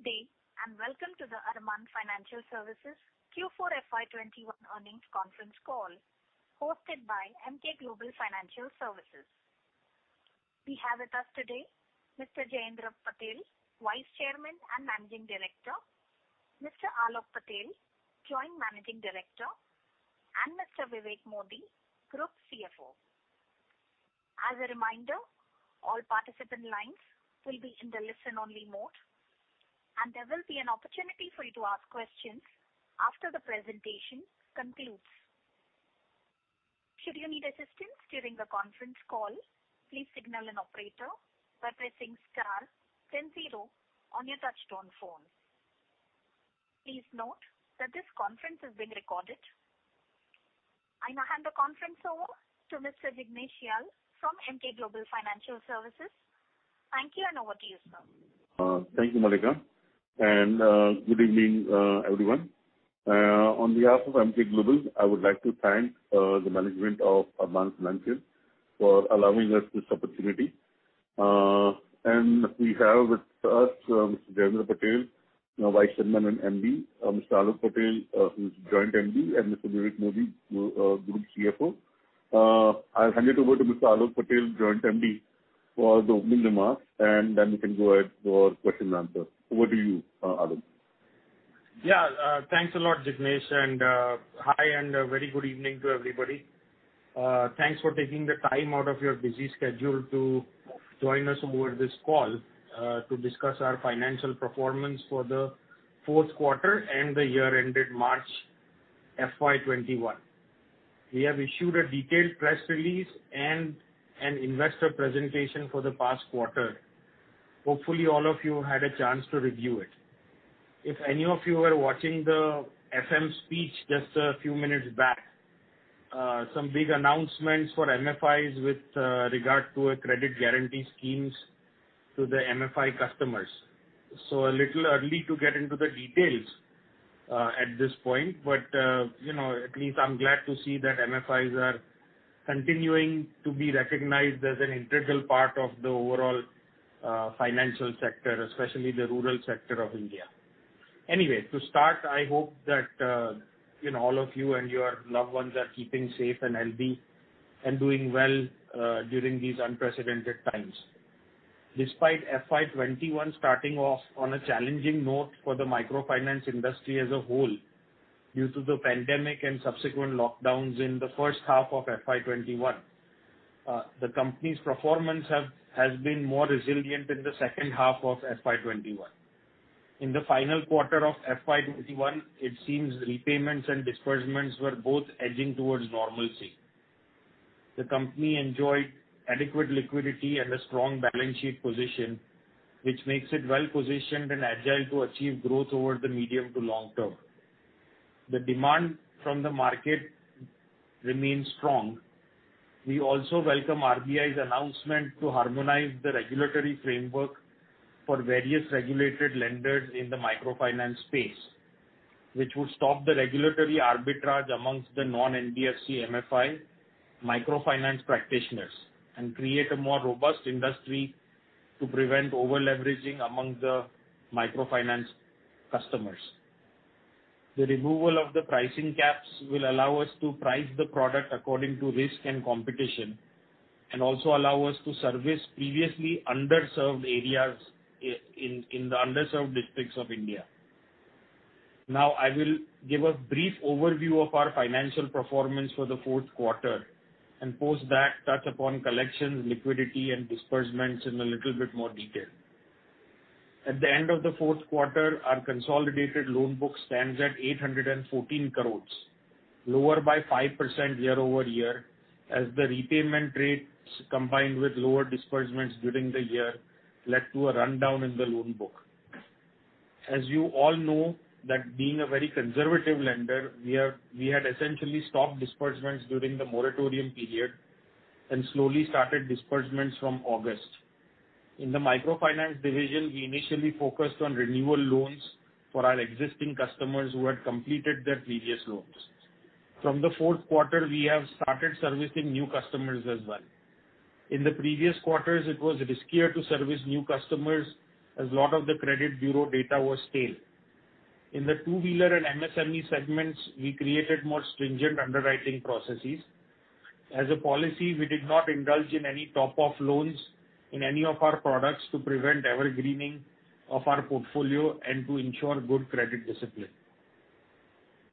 Good day, and welcome to the Arman Financial Services Q4 FY 2021 earnings conference call hosted by Emkay Global Financial Services. We have with us today Mr. Jayendra Patel, Vice Chairman and Managing Director, Mr. Aalok Patel, Joint Managing Director, and Mr. Vivek Modi, Group CFO. As a reminder, all participant lines will be in the listen-only mode, and there will be an opportunity for you to ask questions after the presentation concludes. Should you need assistance during the conference call, please signal an operator by pressing star then zero on your touchtone phone. Please note that this conference is being recorded. I now hand the conference over to Mr. Jignesh Vyas from Emkay Global Financial Services, and here over to you, sir. Thank you, Monica, and good evening, everyone. On behalf of Emkay Global, I would like to thank the management of Arman Financial Services for allowing us this opportunity. We have with us Mr. Jayendra Patel, Vice Chairman and Managing Director, Mr. Aalok Patel, who is Joint Managing Director, and Mr. Vivek Modi, Group Chief Financial Officer. I'll hand it over to Mr. Aalok Patel, Joint Managing Director, for the opening remarks. We can go ahead for question and answer. Over to you, Aalok. Thanks a lot, Jignesh Vyas, and hi, and a very good evening to everybody. Thanks for taking the time out of your busy schedule to join us over this call to discuss our financial performance for the fourth quarter and the year ended March FY 2021. We have issued a detailed press release and an investor presentation for the past quarter. Hopefully, all of you had a chance to review it. If any of you were watching the FM speech just a few minutes back, some big announcements for MFIs with regard to credit guarantee schemes to the MFI customers. A little early to get into the details at this point, but at least I'm glad to see that MFIs are continuing to be recognized as an integral part of the overall financial sector, especially the rural sector of India. To start, I hope that all of you and your loved ones are keeping safe and healthy and doing well during these unprecedented times. Despite FY 2021 starting off on a challenging note for the microfinance industry as a whole due to the pandemic and subsequent lockdowns in the first half of FY 2021, the company's performance has been more resilient in the second half of FY 2021. In the final quarter of FY 2021, it seems repayments and disbursements were both edging towards normalcy. The company enjoyed adequate liquidity and a strong balance sheet position, which makes it well-positioned and agile to achieve growth over the medium to long term. The demand from the market remains strong. We also welcome RBI's announcement to harmonize the regulatory framework for various regulated lenders in the microfinance space, which would stop the regulatory arbitrage amongst the non-NBFC-MFI microfinance practitioners and create a more robust industry to prevent over-leveraging among the microfinance customers. The removal of the pricing caps will allow us to price the product according to risk and competition and also allow us to service previously underserved areas in the underserved districts of India. Now, I will give a brief overview of our financial performance for the fourth quarter and post that touch upon collections, liquidity, and disbursements in a little bit more detail. At the end of the fourth quarter, our consolidated loan book stands at 814 crores, lower by 5% year-over-year, as the repayment rates combined with lower disbursements during the year led to a rundown in the loan book. As you all know that being a very conservative lender, we had essentially stopped disbursements during the moratorium period and slowly started disbursements from August. In the microfinance division, we initially focused on renewal loans for our existing customers who had completed their previous loans. From the fourth quarter, we have started servicing new customers as well. In the previous quarters, it was riskier to service new customers as a lot of the credit bureau data was stale. In the two-wheeler and MSME segments, we created more stringent underwriting processes. As a policy, we did not indulge in any top-off loans in any of our products to prevent evergreening of our portfolio and to ensure good credit discipline.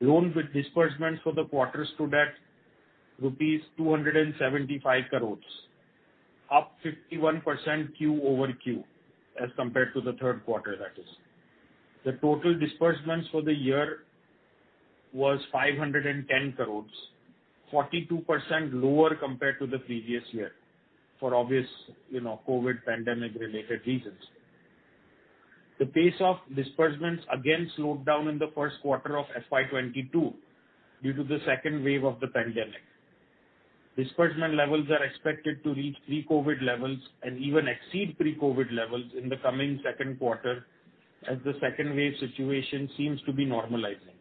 Loans with disbursements for the quarter stood at rupees 275 crores, up 51% Q-over-Q as compared to the third quarter, that is. The total disbursements for the year was 510 crores, 42% lower compared to the previous year for obvious COVID pandemic related reasons. The pace of disbursements again slowed down in the first quarter of FY 2022 due to the second wave of the pandemic. Disbursement levels are expected to reach pre-COVID levels and even exceed pre-COVID levels in the coming second quarter as the second wave situation seems to be normalizing.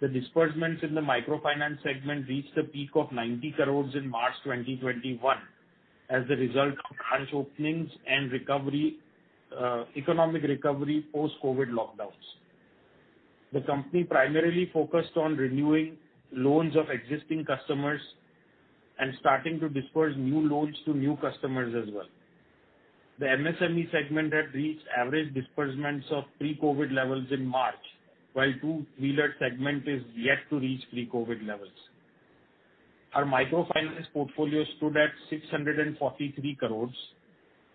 The disbursements in the microfinance segment reached a peak of 90 crores in March 2021, as a result of branch openings and economic recovery post-COVID lockdowns. The company primarily focused on renewing loans of existing customers and starting to disburse new loans to new customers as well. The MSME segment had reached average disbursements of pre-COVID levels in March, while two-wheeler segment is yet to reach pre-COVID levels. Our microfinance portfolio stood at 643 crores,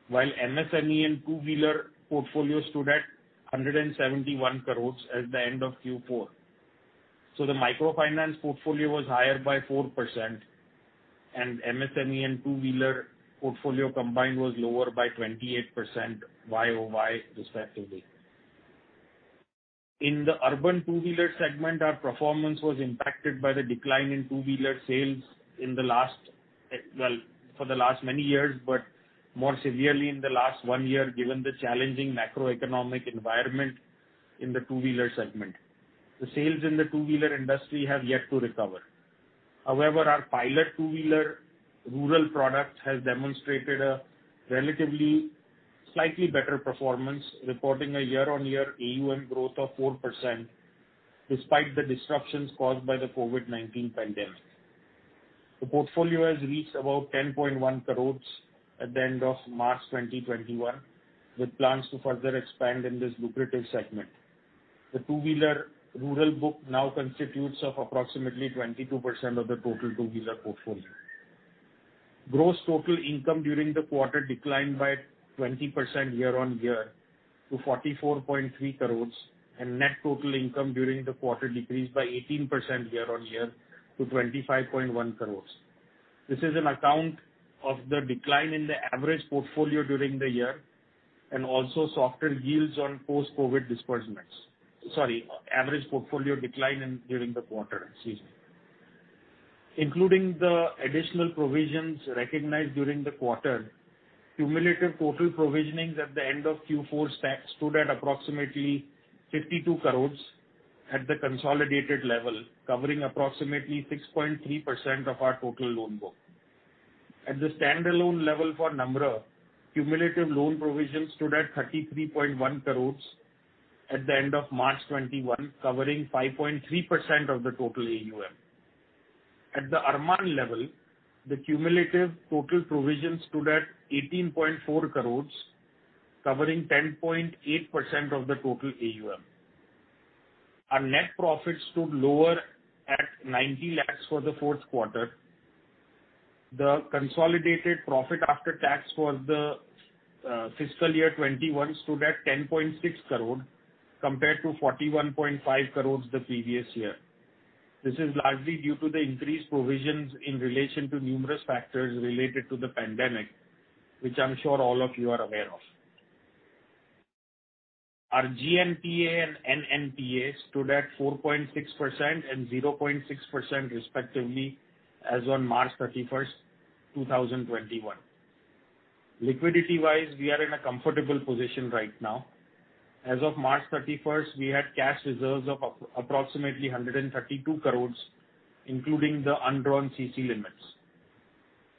while MSME and two-wheeler portfolio stood at 171 crores at the end of Q4. The microfinance portfolio was higher by 4%, and MSME and two-wheeler portfolio combined was lower by 28% YoY respectively. In the urban two-wheeler segment, our performance was impacted by the decline in two-wheeler sales for the last many years, but more severely in the last one year given the challenging macroeconomic environment in the two-wheeler segment. The sales in the two-wheeler industry have yet to recover. However, our pilot two-wheeler rural product has demonstrated a relatively slightly better performance, reporting a year-on-year AUM growth of 4%, despite the disruptions caused by the COVID-19 pandemic. The portfolio has reached about 10.1 crores at the end of March 2021, with plans to further expand in this lucrative segment. The two-wheeler rural book now constitutes of approximately 22% of the total two-wheeler portfolio. Gross total income during the quarter declined by 20% year-on-year to 44.3 crores, and net total income during the quarter decreased by 18% year-on-year to 25.1 crores. This is on account of the decline in the average portfolio during the year and also softer yields on post-COVID disbursements. Sorry, average portfolio decline during the quarter. Excuse me. Including the additional provisions recognized during the quarter, cumulative total provisionings at the end of Q4 stood at approximately 52 crores at the consolidated level, covering approximately 6.3% of our total loan book. At the standalone level for Namra, cumulative loan provisions stood at 33.1 crores at the end of March 2021, covering 5.3% of the total AUM. At the Arman level, the cumulative total provisions stood at 18.4 crores, covering 10.8% of the total AUM. Our net profit stood lower at 90 lakhs for the fourth quarter. The consolidated profit after tax for the fiscal year 2021 stood at 10.6 crore compared to 41.5 crores the previous year. This is largely due to the increased provisions in relation to numerous factors related to the pandemic, which I'm sure all of you are aware of. Our GNPA and NNPA stood at 4.6% and 0.6% respectively as on March 31st, 2021. Liquidity-wise, we are in a comfortable position right now. As of March 31st, we had cash reserves of approximately 132 crores, including the undrawn CC limits.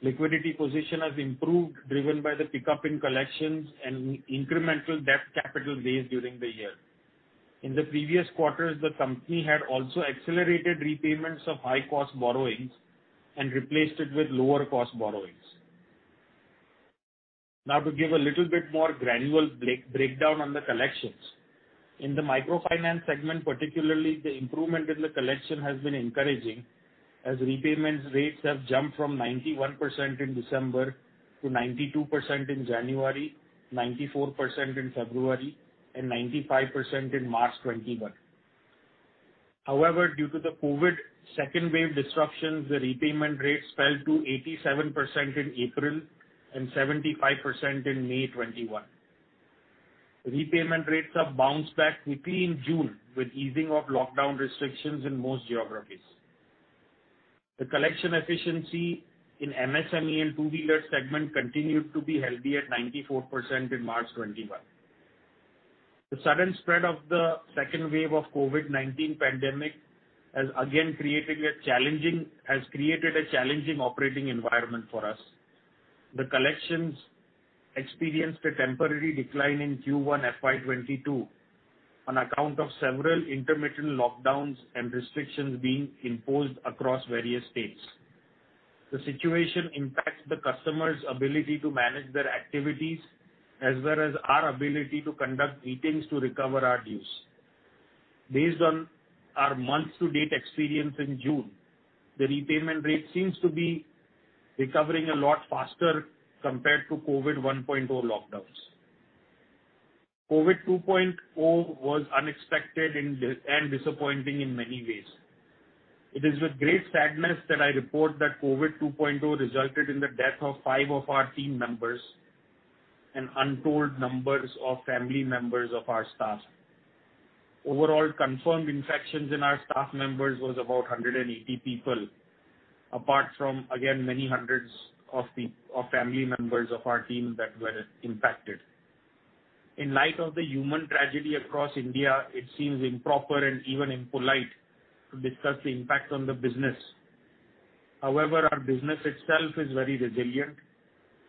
Liquidity position has improved, driven by the pickup in collections and incremental debt capital raised during the year. In the previous quarters, the company had also accelerated repayments of high-cost borrowings and replaced it with lower cost borrowings. To give a little bit more granular breakdown on the collections. In the microfinance segment particularly, the improvement in the collection has been encouraging, as repayment rates have jumped from 91% in December to 92% in January, 94% in February, and 95% in March 2021. However, due to the COVID second wave disruptions, the repayment rates fell to 87% in April and 75% in May 2021. Repayment rates have bounced back quickly in June with easing of lockdown restrictions in most geographies. The collection efficiency in MSME and two-wheeler segment continued to be healthy at 94% in March 2021. The sudden spread of the second wave of COVID-19 pandemic has created a challenging operating environment for us. The collections experienced a temporary decline in Q1 FY 2022, on account of several intermittent lockdowns and restrictions being imposed across various states. The situation impacts the customers' ability to manage their activities as well as our ability to conduct meetings to recover our dues. Based on our month-to-date experience in June, the repayment rate seems to be recovering a lot faster compared to COVID 1.0 lockdowns. COVID 2.0 was unexpected and disappointing in many ways. It is with great sadness that I report that COVID 2.0 resulted in the death of five of our team members and untold numbers of family members of our staff. Overall confirmed infections in our staff members was about 180 people, apart from, again, many hundreds of family members of our team that were impacted. In light of the human tragedy across India, it seems improper and even impolite to discuss the impact on the business. However, our business itself is very resilient.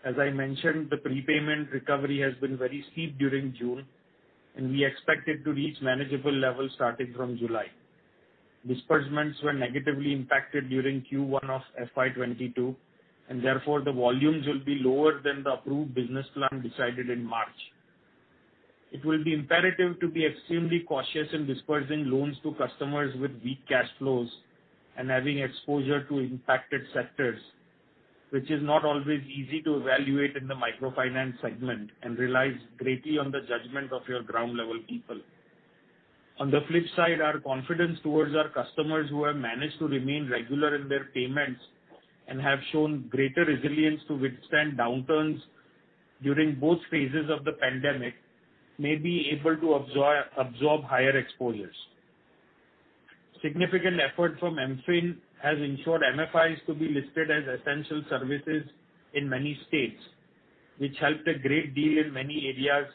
As I mentioned, the prepayment recovery has been very steep during June, and we expect it to reach manageable levels starting from July. Disbursements were negatively impacted during Q1 of FY 2022, and therefore, the volumes will be lower than the approved business plan decided in March. It will be imperative to be extremely cautious in disbursing loans to customers with weak cash flows and having exposure to impacted sectors, which is not always easy to evaluate in the microfinance segment and relies greatly on the judgment of your ground level people. On the flip side, our confidence towards our customers who have managed to remain regular in their payments and have shown greater resilience to withstand downturns during both phases of the pandemic may be able to absorb higher exposures. Significant effort from MFIN has ensured MFIs to be listed as essential services in many states, which helped a great deal in many areas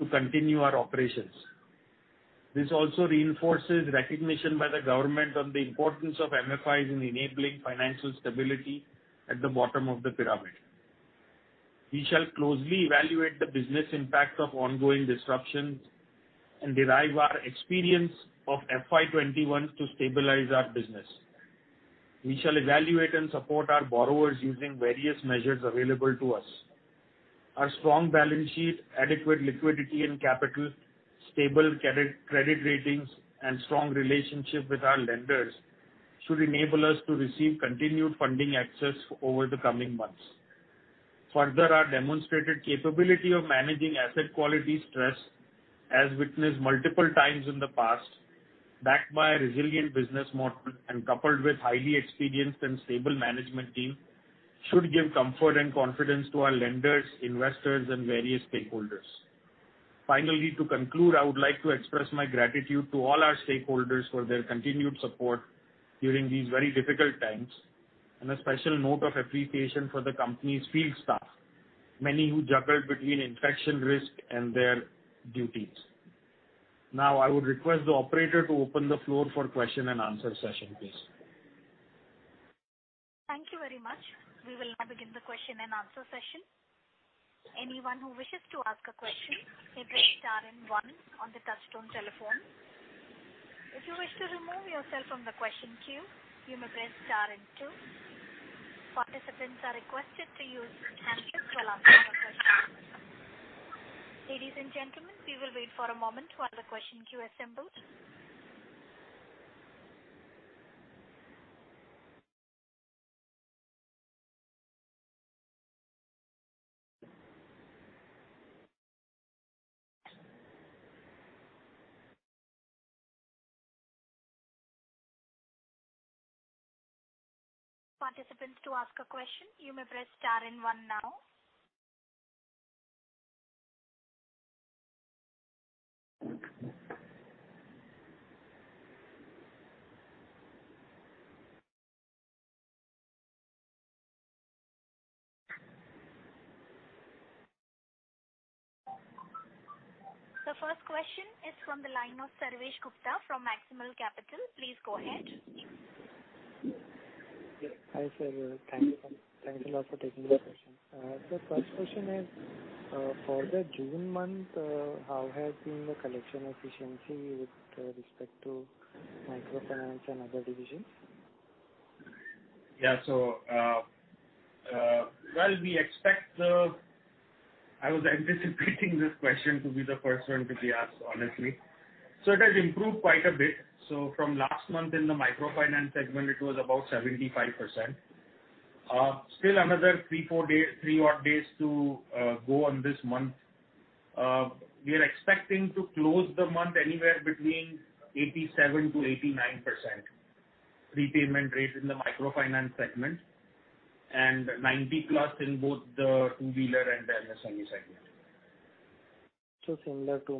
to continue our operations. This also reinforces recognition by the government of the importance of MFIs in enabling financial stability at the bottom of the pyramid. We shall closely evaluate the business impact of ongoing disruptions and derive our experience of FY 2021 to stabilize our business. We shall evaluate and support our borrowers using various measures available to us. Our strong balance sheet, adequate liquidity and capital, stable credit ratings, and strong relationship with our lenders should enable us to receive continued funding access over the coming months. Further, our demonstrated capability of managing asset quality stress as witnessed multiple times in the past, backed by a resilient business model and coupled with highly experienced and stable management team, should give comfort and confidence to our lenders, investors, and various stakeholders. Finally, to conclude, I would like to express my gratitude to all our stakeholders for their continued support during these very difficult times, and a special note of appreciation for the company's field staff, many who juggled between infection risk and their duties. I would request the operator to open the floor for question and answer session, please. Thank you very much. We will now begin the question and answer session. Anyone who wishes to ask a question, hit star one on the touchtone telephone. If you wish to remove yourself from the question queue, you may press star two. Participants are requested to use headset telephones. Ladies and gentlemen, we will wait for a moment while the question queue assembles. For participants to ask a question, you may press star one now. The first question is from the line of Sarvesh Gupta from Maximal Capital. Please go ahead. Hi, sir. Thank you for taking the question. The first question is, for the June month, how has been the collection efficiency with respect to microfinance and other divisions? I was anticipating this question to be the first one to be asked, honestly. It has improved quite a bit. From last month in the microfinance segment, it was about 75%. Still another three odd days to go on this month. We are expecting to close the month anywhere between 87%-89% prepayment rate in the microfinance segment, and 90%+ in both the two-wheeler and the MSME segment. Similar to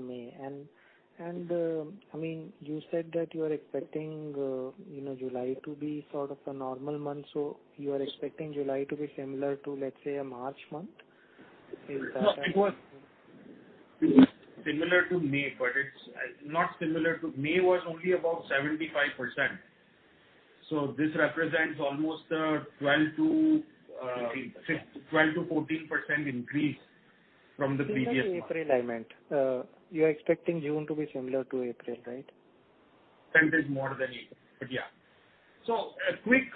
May. You said that you are expecting July to be sort of a normal month, so you are expecting July to be similar to, let's say, a March month? No, it was similar to May. May was only about 75%. This represents almost a 12%-14% increase from the previous month. No, sorry, April, I meant. You're expecting June to be similar to April, right? Percentage more than April. Yeah. A quick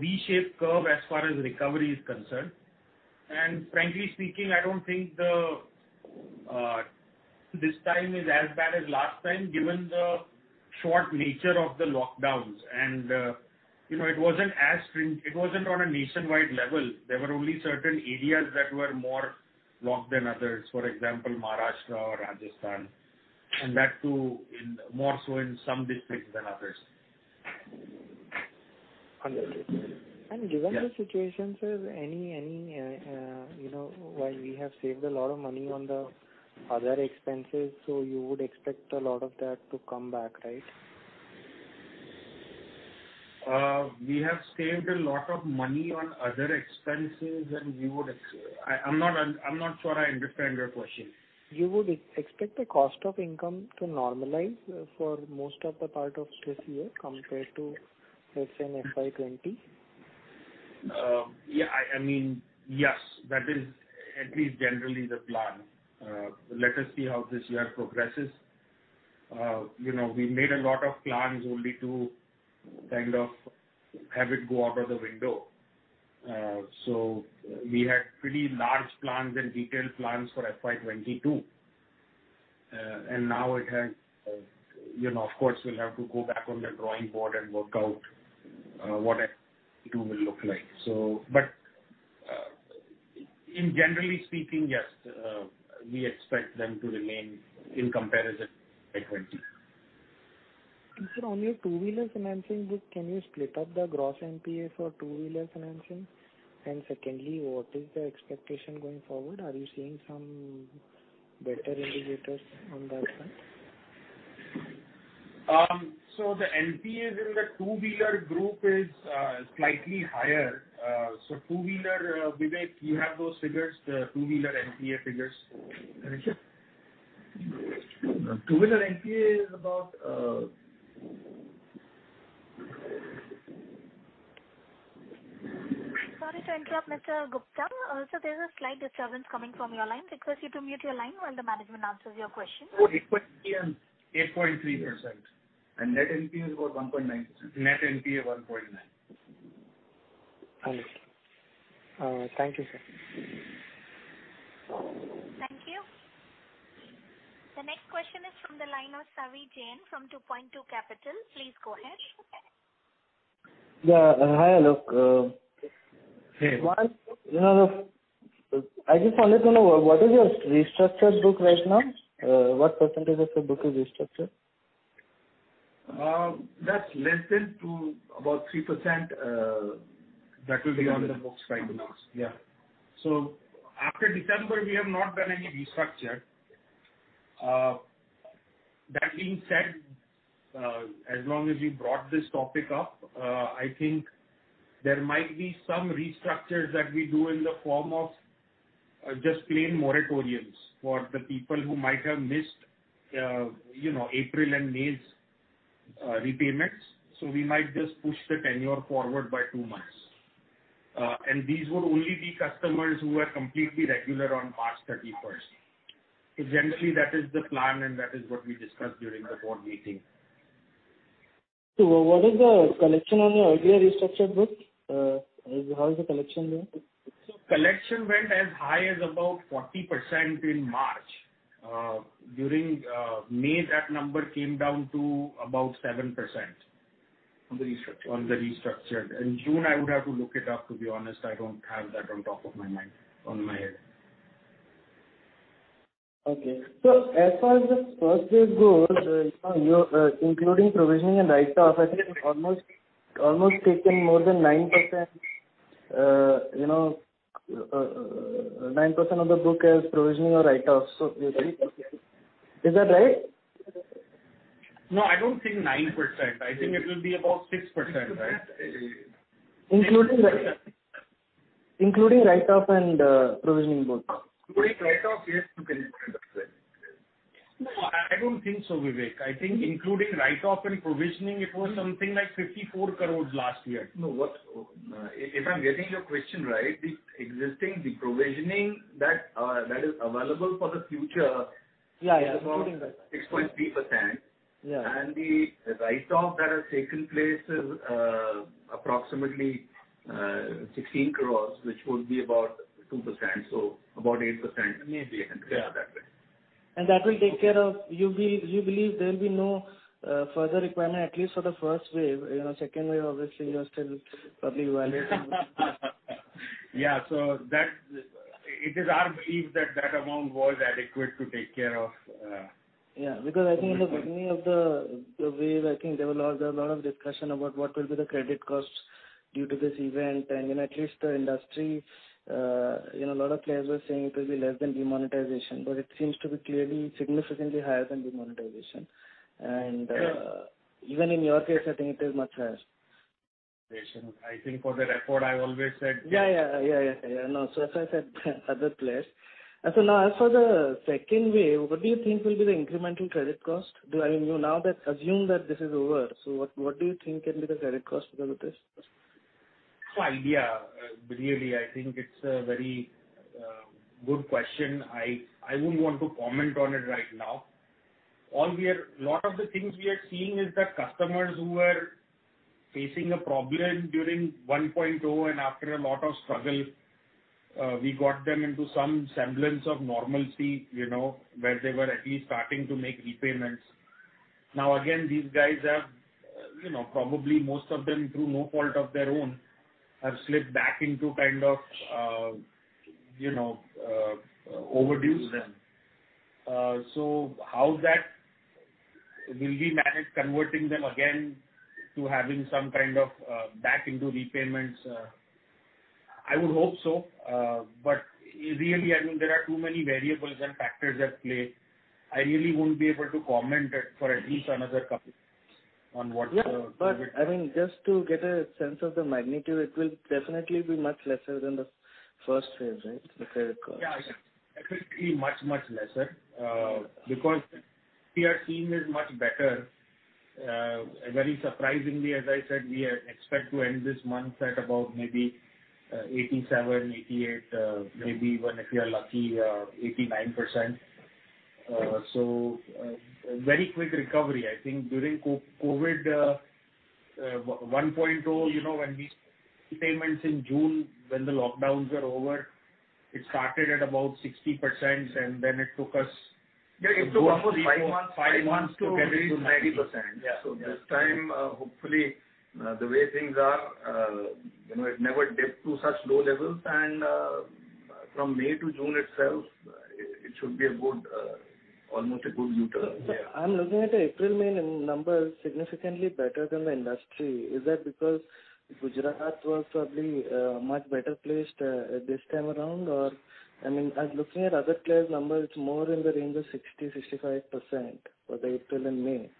V-shaped curve as far as recovery is concerned. Frankly speaking, I don't think this time is as bad as last time, given the short nature of the lockdowns. It wasn't on a nationwide level. There were only certain areas that were more locked than others. For example, Maharashtra or Rajasthan, and that too more so in some districts than others. Understood. Given the situation, sir, while we have saved a lot of money on the other expenses, so you would expect a lot of that to come back, right? We have saved a lot of money on other expenses than we would. I'm not sure I understand your question. You would expect the cost of income to normalize for most of the part of this year compared to, let's say, FY 2020? Yes. That is at least generally the plan. Let us see how this year progresses. We made a lot of plans only to kind of have it go out of the window. We had pretty large plans and detailed plans for FY 2022. Now, of course, we'll have to go back on the drawing board and work out what FY 2022 will look like. Generally speaking, yes, we expect them to remain in comparison to FY 2020. Sir, on your two-wheeler financing, can you split up the gross NPA for two-wheeler financing? Secondly, what is the expectation going forward? Are you seeing some better indicators on that front? The NPAs in the two-wheeler group is slightly higher. Two-wheeler, Vivek, do you have those figures, the two-wheeler NPA figures? Sure. Two-wheeler NPA is about. Sorry to interrupt, Mr. Gupta. There's a slight disturbance coming from your line. Request you to mute your line when the management answers your question. Gross NPA is 8.3%, and net NPA is about 1.9%. I see. Thank you, sir. Thank you. The next question is from the line of Savi Jain from 2Point2 Capital,. Yeah. Hi, Aalok. Hey. I just wanted to know, what is your restructured book right now? What percentage of the book is restructured? That's less than to about 3% that will be on the books right now. Yeah. After December, we have not done any restructure. That being said, as long as you brought this topic up, I think there might be some restructures that we do in the form of just plain moratoriums for the people who might have missed April and May's repayments. We might just push the tenure forward by two months. These would only be customers who were completely regular on March 31st. Generally, that is the plan, and that is what we discussed during the board meeting. What is the collection on your earlier restructured book? How is the collection doing? Collection went as high as about 40% in March. During May, that number came down to about 7% on the restructured. In June, I would have to look it up, to be honest. I don't have that on top of my head. Okay. As far as the first wave goes, including provisioning and write-offs, I think almost taking more than 9% of the book as provision or write-offs. Is that right? I don't think 9%. I think it will be about 6%. Including write-off and provisioning both. Including write-off, yes, you can say that. No, I don't think so, Vivek. I think including write-off and provisioning, it was something like 54 crores last year. If I'm getting your question right, the existing, the provisioning that is available for the future. Yeah is about 6.3%. Yeah. The write-off that has taken place is approximately 16 crore, which will be about 2%, so about 8% maybe. Yeah. That will take care of You believe there'll be no further requirement, at least for the first wave. Second wave, obviously, we are still probably evaluating. Yeah. It is our belief that that amount was adequate to take care of. Yeah, because I think at the beginning of the wave, I think there was a lot of discussion about what will be the credit cost due to this event. At least the industry, a lot of players were saying it will be less than demonetization, but it seems to be clearly significantly higher than demonetization. Yeah. Even in your case, I think it is much higher. I think for the record, I've always said. Yeah. No. As I said, other players. Now as for the second wave, what do you think will be the incremental credit cost? Now that assume that this is over, what do you think can be the credit cost because of this? Yeah. Really, I think it's a very good question. I wouldn't want to comment on it right now. A lot of the things we are seeing is that customers who were facing a problem during COVID 1.0, and after a lot of struggle, we got them into some semblance of normalcy, where they were at least starting to make repayments. Now, again, these guys have, probably most of them through no fault of their own, have slipped back into kind of overdues then. How that will be managed, converting them again to having some kind of back into repayments. I would hope so. Really, there are too many variables and factors at play. I really won't be able to comment for at least another couple on what the. Yeah. Just to get a sense of the magnitude, it will definitely be much lesser than the first wave, right? The haircut. Yeah. It should be much lesser. We are seeing it much better. Very surprisingly, as I said, we expect to end this month at about maybe 87%, 88%, maybe even if we are lucky, 89%. A very quick recovery. I think during COVID 1.0, payments in June, when the lockdowns were over, it started at about 60%, and then it took us. Yeah. It took almost three months, right? Four, five months to get to 90%. Yeah. This time, hopefully, the way things are, it never dipped to such low levels, and from May to June itself, it should be almost a good U-turn. I'm looking at the April-May numbers significantly better than the industry. Is that because Gujarat was probably much better placed this time around? I'm looking at other players' numbers. It's more in the range of 60%-65% for the April and May.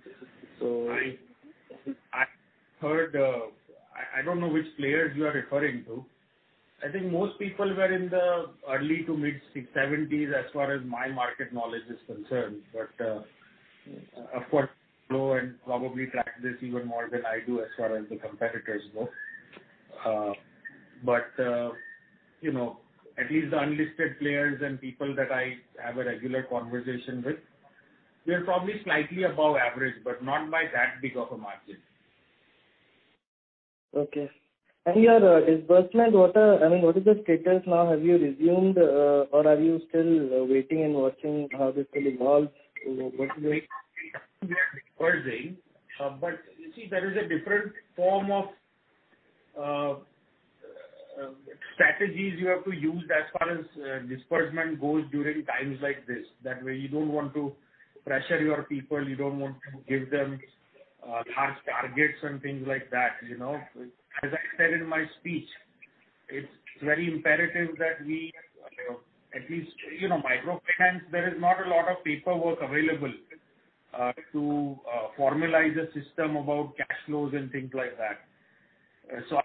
I heard. I don't know which players you are referring to. I think most people were in the early to mid-70%s, as far as my market knowledge is concerned. Of course, you probably know and probably track this even more than I do as far as the competitors go. At least the unlisted players and people that I have a regular conversation with, we're probably slightly above average, but not by that big of a margin. Okay. Disbursement, what is the status now? Have you resumed or are you still waiting and watching how this will evolve over multiple waves? We are dispersing. You see, there is a different form of strategies you have to use as far as disbursement goes during times like this, that way you don't want to pressure your people, you don't want to give them large targets and things like that. As I said in my speech, it's very imperative that microfinance, there is not a lot of paperwork available to formalize a system about cash flows and things like that.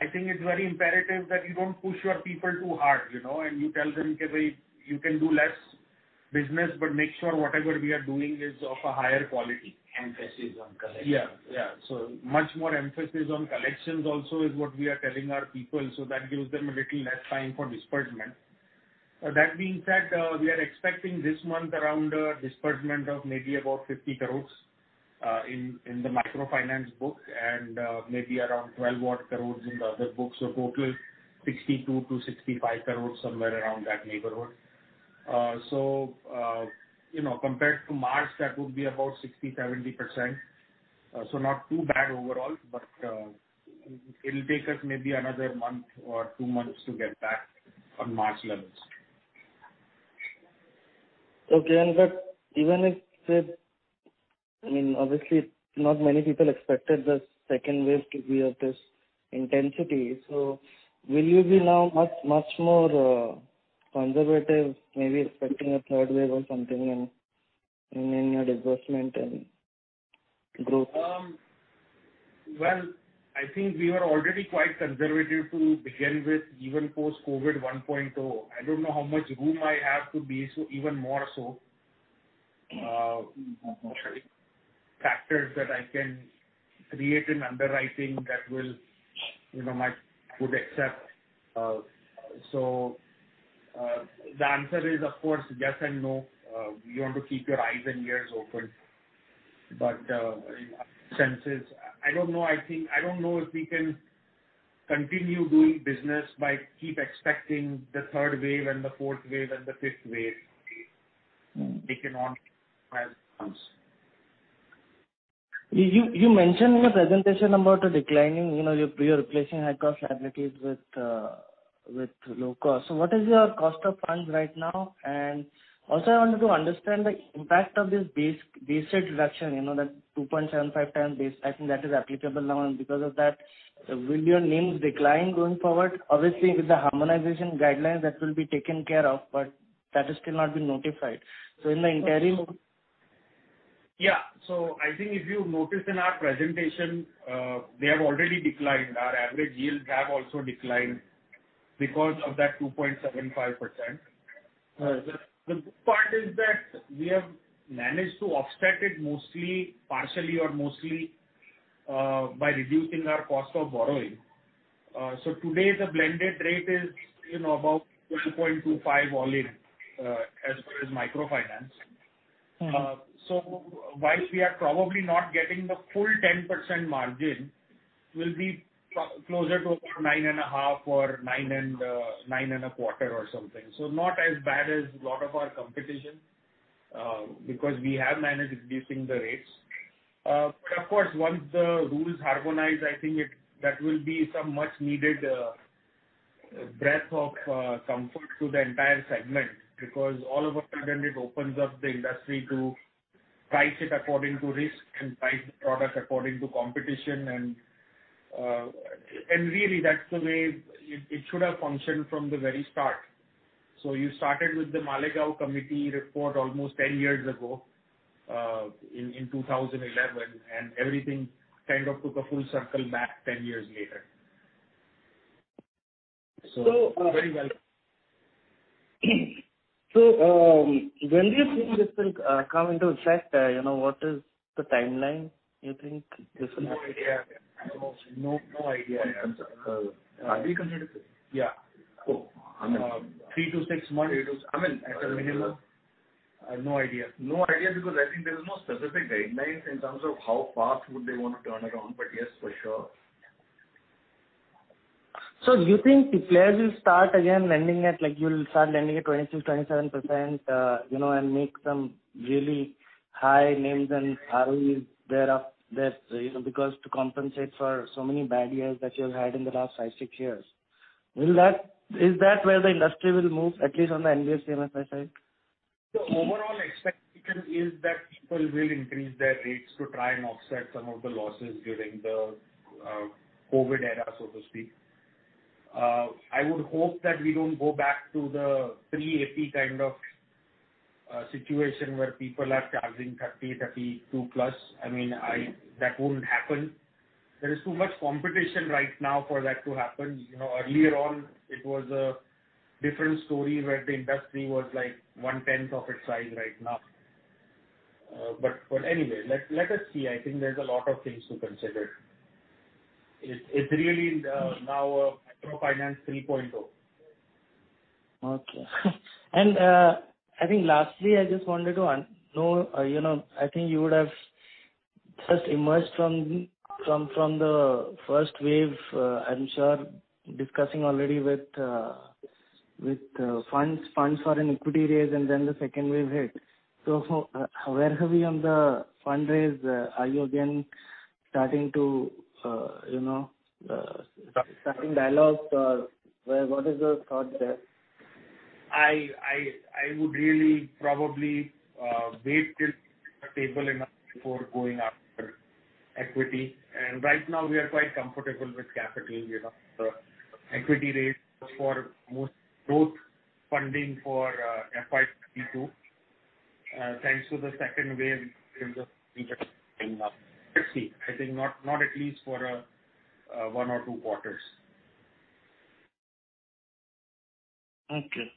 I think it's very imperative that you don't push your people too hard, and you tell them, "Okay, you can do less business, but make sure whatever we are doing is of a higher quality. Emphasis on collection. Yeah. Much more emphasis on collections also is what we are telling our people, so that gives them a little less time for disbursement. That being said, we are expecting this month around a disbursement of maybe about 50 crore in the microfinance book and maybe around 12 crore or 13 crore in the other book. Total 62 crore-65 crore, somewhere around that neighborhood. Compared to March, that would be about 60%-70%. Not too bad overall, but it'll take us maybe another month or two months to get back on March levels. Okay. Obviously, not many people expected the second wave to be of this intensity. Will you be now much more conservative, maybe expecting a third wave or something in your disbursement and growth? Well, I think we were already quite conservative to begin with, even post-COVID 1.0. I don't know how much room I have to be even more so. Okay. Factors that I can create in underwriting that my board would accept. The answer is, of course, yes and no. We want to keep your eyes and ears open. In a sense, I don't know if we can continue doing business by keep expecting the third wave and the fourth wave and the fifth wave. We take it on as it comes. You mentioned in your presentation about the declining, you're replacing high-cost liabilities with low cost. What is your cost of funds right now? Also, I wanted to understand the impact of this base rate reduction, that 2.75% base, I think that is applicable now. Because of that, will your NIM decline going forward? Obviously, with the harmonization guidelines, that will be taken care of. Status cannot be notified. In the interim. I think if you notice in our presentation, they have already declined. Our average yields have also declined because of that 2.75%. The good part is that we have managed to offset it partially or mostly by reducing our cost of borrowing. Today, the blended rate is about 12.25% all-in, as far as microfinance. While we are probably not getting the full 10% margin, we'll be closer to over 9.5% or 9.25% or something. Not as bad as a lot of our competition because we have managed reducing the rates. Of course, once the rule is harmonized, I think that will be some much needed breath of comfort to the entire segment because all of a sudden it opens up the industry to price it according to risk and price the product according to competition. Really, that's the way it should have functioned from the very start. You started with the Malegam Committee report almost 10 years ago, in 2011, and everything kind of took a full circle back 10 years later. So- Very well. When do you think this will come into effect? What is the timeline, you think, this will happen? No idea. No idea. Reconsider. Yeah. Three to six months at a minimum? No idea. No idea, because I think there is no specific guideline in terms of how fast would they want to turn around. Yes, for sure. Do you think players will start again you will start lending at 26%, 27% and make some really high NIMs and hurry because to compensate for so many bad years that you have had in the last five, six years? Is that where the industry will move, at least on the NBFC-MFI side? The overall expectation is that people will increase their rates to try and offset some of the losses during the COVID era, so to speak. I would hope that we don't go back to the pre-AP kind of situation where people are charging 30%, 32%+. That wouldn't happen. There is too much competition right now for that to happen. Earlier on, it was a different story where the industry was one-tenth of its size right now. Anyway, let us see. I think there's a lot of things to consider. It's really now microfinance 3.0. Okay. I think lastly, I just wanted to know, I think you would have just emerged from the first wave, I'm sure, discussing already with funds for an equity raise, and then the second wave hit. Where are we on the fundraise? Are you again starting dialogue? What is your thought there? I would really probably wait till stable enough before going after equity. Right now, we are quite comfortable with capital. The equity raise for most growth funding for FY 2022, thanks to the second wave is just I think not at least for one or two quarters. Okay.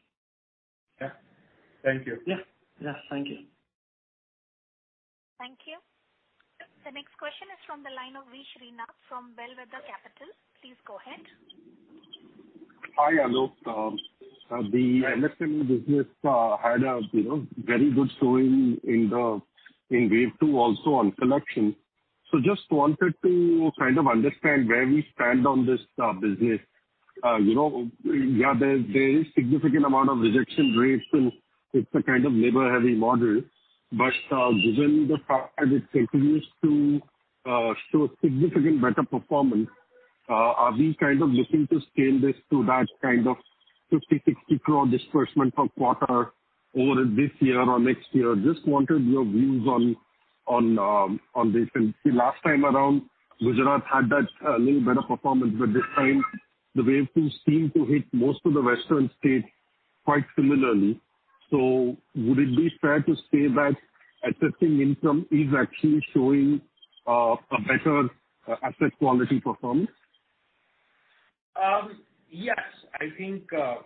Yeah. Thank you. Yeah. Thank you. Thank you. The next question is from the line of Vishnu from Bellwether Capital. Please go ahead. Hi, Aalok. The MSME business had a very good showing in wave II also on collections. Just wanted to kind of understand where we stand on this business. There is significant amount of rejection rates, and it's a kind of labor-heavy model. Given the fact that it continues to show significant better performance, are we looking to scale this to that kind of 50 crore-60 crore disbursement per quarter over this year or next year? Just wanted your views on this. See, last time around, Gujarat had that little better performance. This time, the wave II seemed to hit most of the western states quite similarly. Would it be fair to say that assessing income is actually showing a better asset quality performance? Yes. I think MSME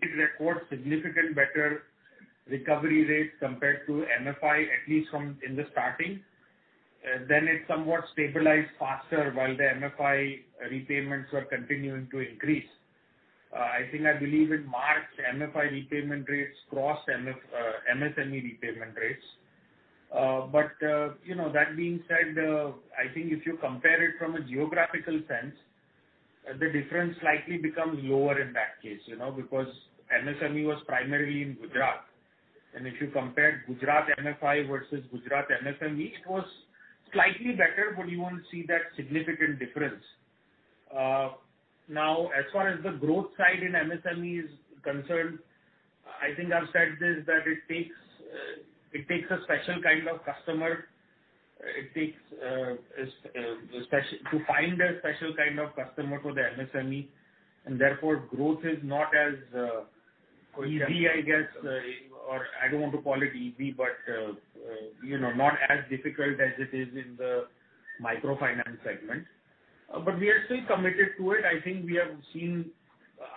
did record significant better recovery rates compared to MFI, at least in the starting. It somewhat stabilized faster while the MFI repayments were continuing to increase. I think, I believe in March, MFI repayment rates crossed MSME repayment rates. That being said, I think if you compare it from a geographical sense, the difference slightly becomes lower in that case. MSME was primarily in Gujarat. If you compared Gujarat MFI versus Gujarat MSME, it was slightly better, but you won't see that significant difference. Now, as far as the growth side in MSME is concerned, I think I've said this, that it takes a special kind of customer. To find a special kind of customer for the MSME, and therefore growth is not as easy, I guess. I don't want to call it easy, but not as difficult as it is in the microfinance segment. We are still committed to it.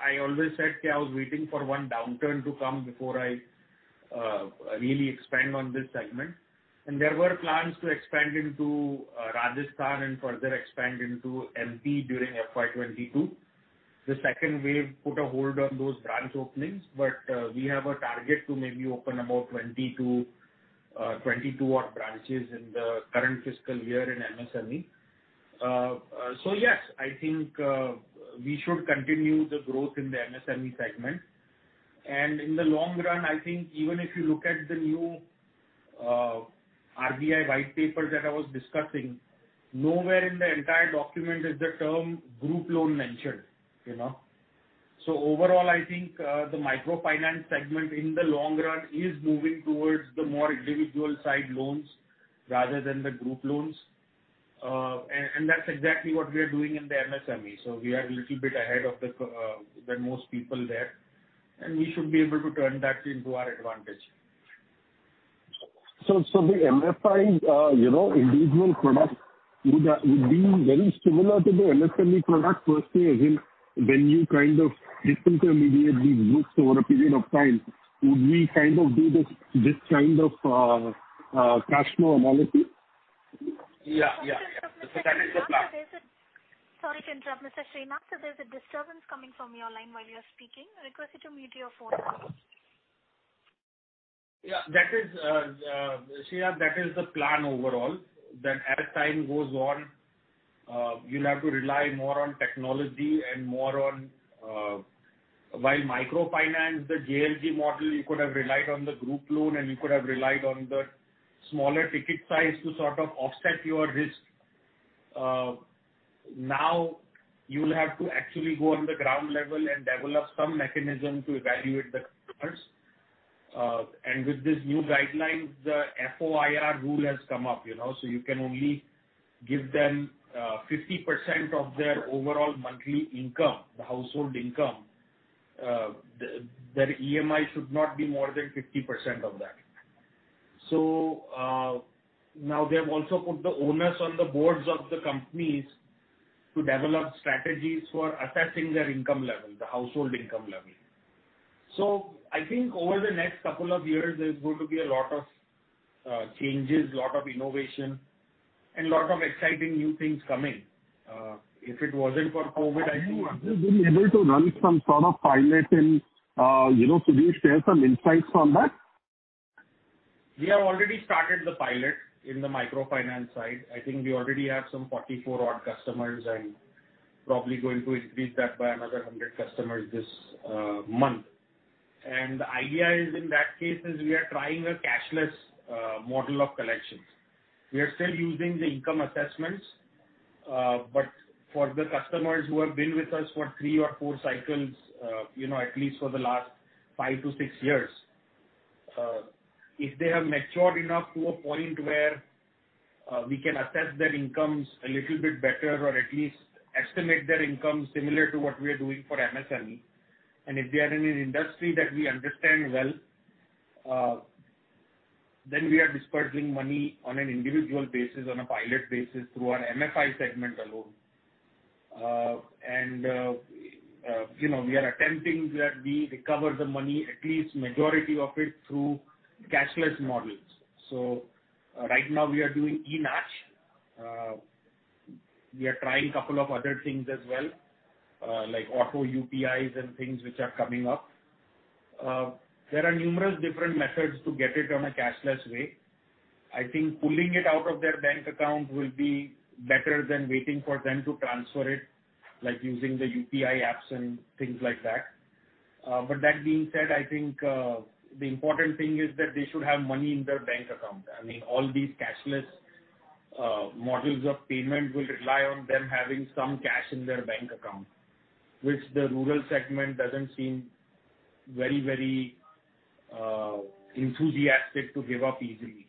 I always said I was waiting for one downturn to come before I really expand on this segment. There were plans to expand into Rajasthan and further expand into MP during FY 2022. The second wave put a hold on those branch openings, but we have a target to maybe open about 22 odd branches in the current fiscal year in MSME. Yes, I think we should continue the growth in the MSME segment. In the long run, I think even if you look at the new RBI white paper that I was discussing, nowhere in the entire document is the term group loan mentioned. Overall, I think the microfinance segment in the long run is moving towards the more individual side loans rather than the group loans. That's exactly what we are doing in the MSME. We are a little bit ahead than most people there, and we should be able to turn that into our advantage. The MFI individual product would be very similar to the MSME product, firstly, again, when you disintermediate these groups over a period of time, would we do this kind of cash flow analogy? Yeah. Sorry to interrupt, Mr. Srinath. There's a disturbance coming from your line while you're speaking. Requested to mute your phone. Srinath, that is the plan overall, that as time goes on, you'll have to rely more on technology and more on, by microfinance, the JLG model, you could have relied on the group loan, and you could have relied on the smaller ticket size to sort of offset your risk. You'll have to actually go on the ground level and develop some mechanism to evaluate the customers. With this new guideline, the FOIR rule has come up, so you can only give them 50% of their overall monthly income, the household income. Their EMI should not be more than 50% of that. Now they've also put the onus on the boards of the companies to develop strategies for assessing their income level, the household income level. I think over the next couple of years, there is going to be a lot of changes, a lot of innovation, and a lot of exciting new things coming. If it wasn't for COVID. Have you been able to run some sort of pilot, could you share some insights on that? We have already started the pilot in the microfinance side. I think we already have some 44 odd customers and probably going to increase that by another 100 customers this month. The idea is, in that case, is we are trying a cashless model of collections. We are still using the income assessments. For the customers who have been with us for three or four cycles at least for the last five-six years, if they have matured enough to a point where we can assess their incomes a little bit better or at least estimate their income similar to what we are doing for MSME, and if they are in an industry that we understand well, then we are dispersing money on an individual basis, on a pilot basis through our MFI segment alone. We are attempting that we recover the money, at least majority of it, through cashless models. Right now we are doing eNACH. We are trying a couple of other things as well, like auto UPIs and things which are coming up. There are numerous different methods to get it on a cashless way. I think pulling it out of their bank account will be better than waiting for them to transfer it, like using the UPI apps and things like that. That being said, I think, the important thing is that they should have money in their bank account. All these cashless models of payment will rely on them having some cash in their bank account, which the rural segment doesn't seem very enthusiastic to give up easily.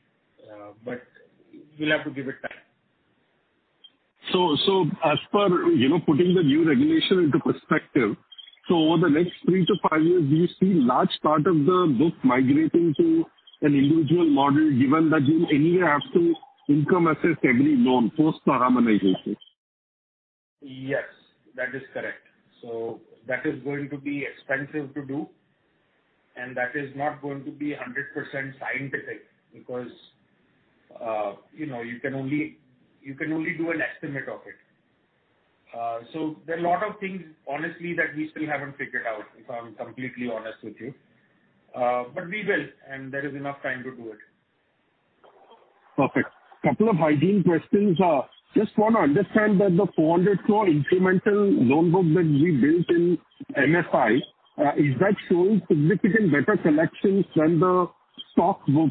We'll have to give it time. As per putting the new regulation into perspective, over the next three-five years, do you see large part of the book migrating to an individual model, given that you anyway have to income assess every loan post-normalizations? Yes, that is correct. That is going to be expensive to do, and that is not going to be 100% scientific because you can only do an estimate of it. There are a lot of things, honestly, that we still haven't figured out, if I'm completely honest with you. We will, and there is enough time to do it. Perfect. Couple of hygiene questions. Just want to understand that the 400 crore incremental loan book that we built in MFI, is that showing significant better collections than the stock book?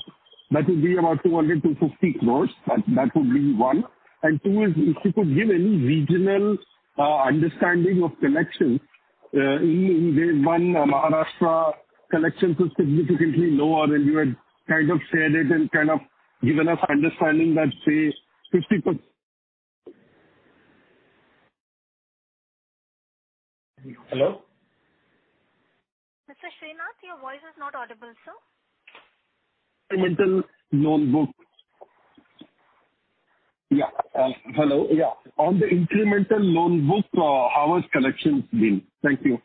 That will be about 250 crore. That would be one. Two is, if you could give any regional understanding of collections in Maharashtra, collections were significantly lower, and you had said it and given us understanding that, say, 50%? Hello? Mr. Srinath, your voice is not audible, sir. Incremental loan book. Hello. On the incremental loan book, how has collections been? Thank you.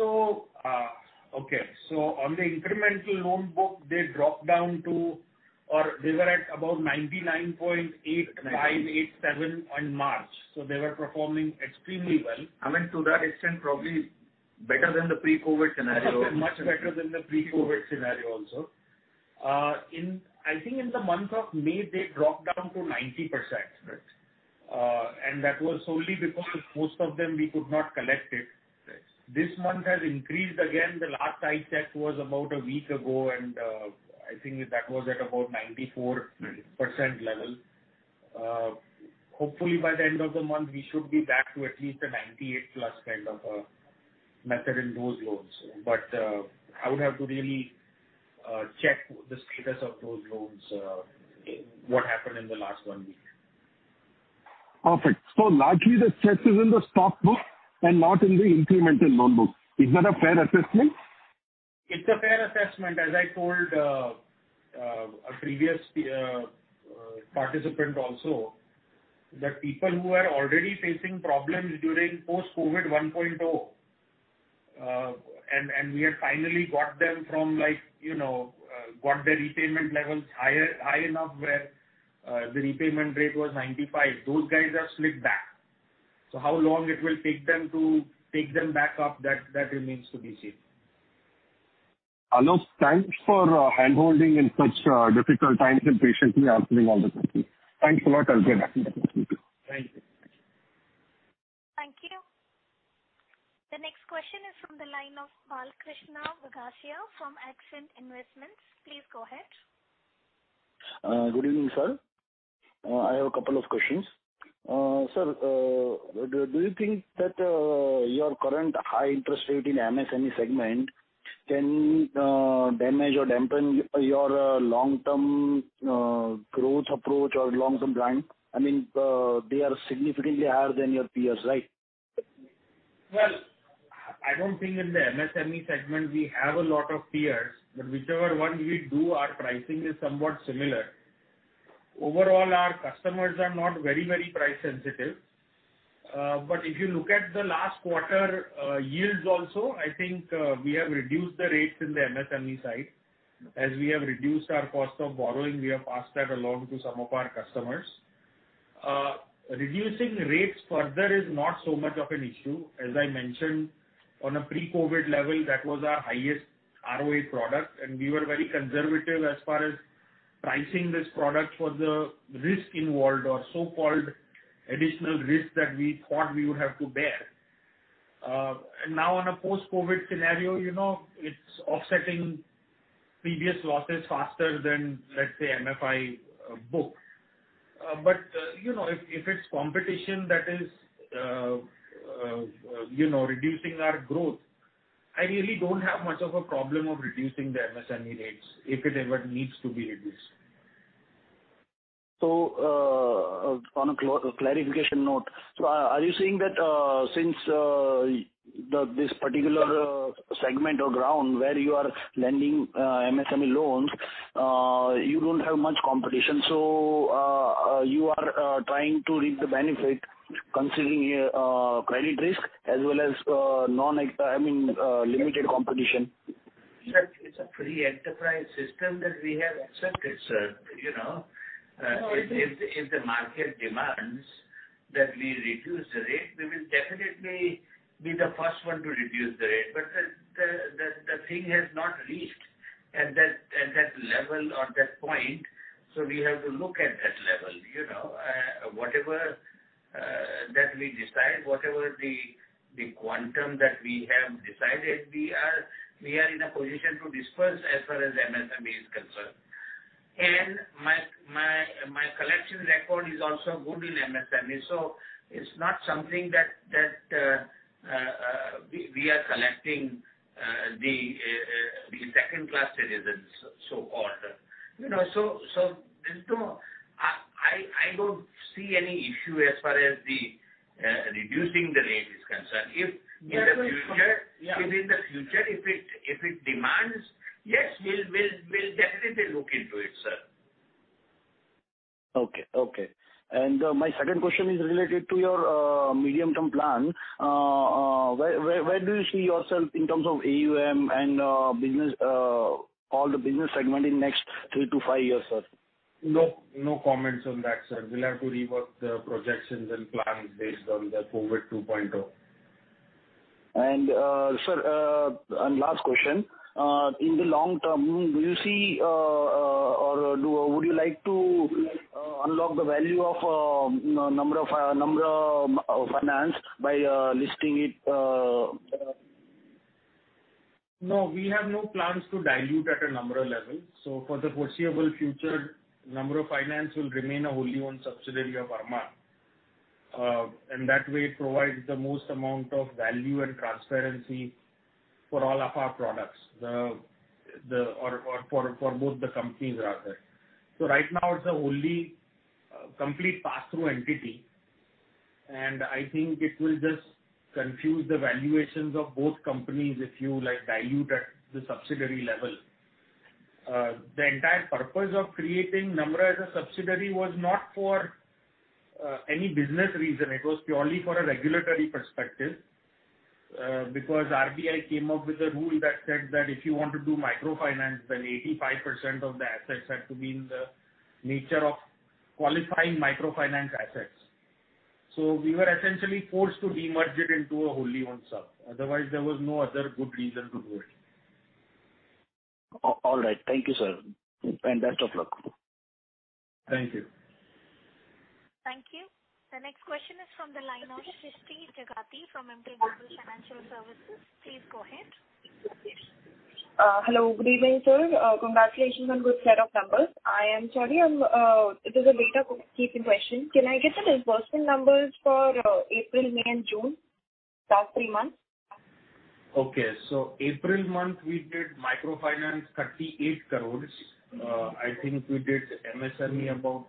On the incremental loan book, they dropped down to, or they were at about 99.8587% in March, so they were performing extremely well. I mean, to that extent, probably better than the pre-COVID scenario. Much better than the pre-COVID scenario also. I think in the month of May, they dropped down to 90%. Right. That was only because most of them we could not collect it. This month has increased again. The last I checked was about a week ago, and I think that was at about 94% level. Hopefully, by the end of the month, we should be back to at least a 98%+ kind of a metric in those loans. I would have to really check the status of those loans, what happened in the last one week. Perfect. Largely the stress is in the stock book and not in the incremental loan book. Is that a fair assessment? It's a fair assessment. As I told a previous participant also, the people who are already facing problems during post-COVID 1.0, and we had finally got their repayment levels high enough where the repayment rate was 95%, those guys have slipped back. How long it will take them to take them back up, that remains to be seen. Aalok, thanks for handholding in such difficult times and patiently answering all the questions. Thanks a lot. I'll get back. Thank you. Thank you. The next question is from the line of Balkrishna Gadodia from Axis Investments. Please go ahead. Good evening, sir. I have two questions. Sir, do you think that your current high interest rate in MSME segment can damage or dampen your long-term growth approach or long-term plan? I mean, they are significantly higher than your peers, right? Well, I don't think in the MSME segment we have a lot of peers. Whichever one we do, our pricing is somewhat similar. Overall, our customers are not very price sensitive. If you look at the last quarter yields also, I think we have reduced the rates in the MSME side. As we have reduced our cost of borrowing, we have passed that along to some of our customers. Reducing rates further is not so much of an issue. As I mentioned, on a pre-COVID level, that was our highest ROA product, and we were very conservative as far as pricing this product for the risk involved or so-called additional risk that we thought we would have to bear. Now on a post-COVID scenario, it's offsetting previous losses faster than, let's say, MFI book. If it's competition that is reducing our growth, I really don't have much of a problem of reducing the MSME rates if it ever needs to be reduced. On a clarification note, are you saying that since this particular segment or ground where you are lending MSME loans, you don't have much competition, so you are trying to reap the benefit considering credit risk as well as limited competition? It's a free enterprise system that we have accepted, sir. If the market demands that we reduce the rate, we will definitely be the first one to reduce the rate. The thing has not reached at that level or that point. We have to look at that level. Whatever that we decide, whatever the quantum that we have decided, we are in a position to disperse as far as MSME is concerned. My collection record is also good in MSME. It's not something that we are collecting the second-class citizens so-called. I don't see any issue as far as reducing the rate is concerned. If in the future it demands, yes, we'll definitely look into it, sir. Okay. My second question is related to your medium-term plan. Where do you see yourself in terms of AUM and all the business segment in next three-five years, sir? No comments on that, sir. We'll have to rework the projections and plans based on the COVID 2.0. Sir, last question. In the long term, do you see or would you like to unlock the value of Namra Finance by listing it? No, we have no plans to dilute at a Namra Finance level. For the foreseeable future, Namra Finance will remain a wholly owned subsidiary of Arman Financial Services. In that way, it provides the most amount of value and transparency for all of our products, or for both the companies, rather. Right now, it's the only complete pass-through entity, and I think it will just confuse the valuations of both companies if you dilute at the subsidiary level. The entire purpose of creating Namra Finance as a subsidiary was not for any business reason. It was purely for a regulatory perspective. Because RBI came up with a rule that said that if you want to do microfinance, then 85% of the assets had to be in the nature of qualifying microfinance assets. We were essentially forced to demerge it into a wholly owned sub. Otherwise, there was no other good reason to do it. All right. Thank you, sir, and best of luck. Thank you. The next question is from the line of Srishti Jagati from Emkay Global Financial Services. Please go ahead. Hello, good evening, sir. Congratulations on good set of numbers. I am. This is a bit of a repeat question. Can I get the disbursement numbers for April, May, and June? For three months. Okay. April month we did microfinance 38 crores. I think we did MSME about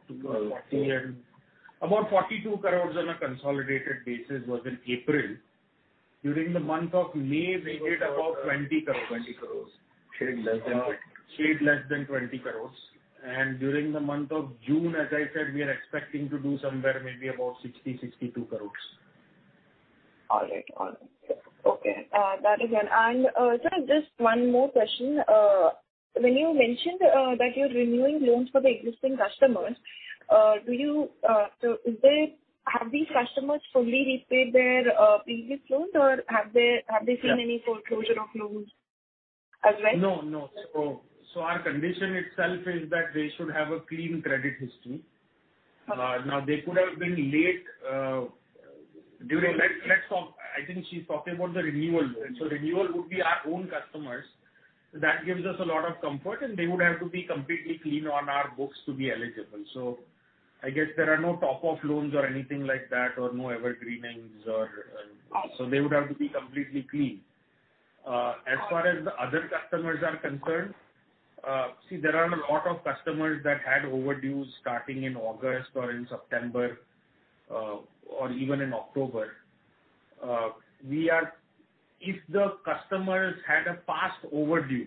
42 crores on a consolidated basis was in April. During the month of May, we did about 20 crores. Less than 20 crores. Slight less than INR 20 crores. During the month of June, as I said, we are expecting to do somewhere maybe about 60 crores, 62 crores. All right. Okay. That is well. Sir, just one more question. When you mentioned that you're renewing loans for the existing customers, have these customers fully repaid their previous loans or have they seen any foreclosure of loans? No. Our condition itself is that they should have a clean credit history. Now, they could have been late during that. I think she's talking about the renewal loan. Renewal would be our own customers. That gives us a lot of comfort, and they would have to be completely clean on our books to be eligible. I guess there are no top-up loans or anything like that, or no ever-greenings. They would have to be completely clean. As far as the other customers are concerned, see, there are a lot of customers that had overdues starting in August or in September, or even in October. If the customers had a past overdue,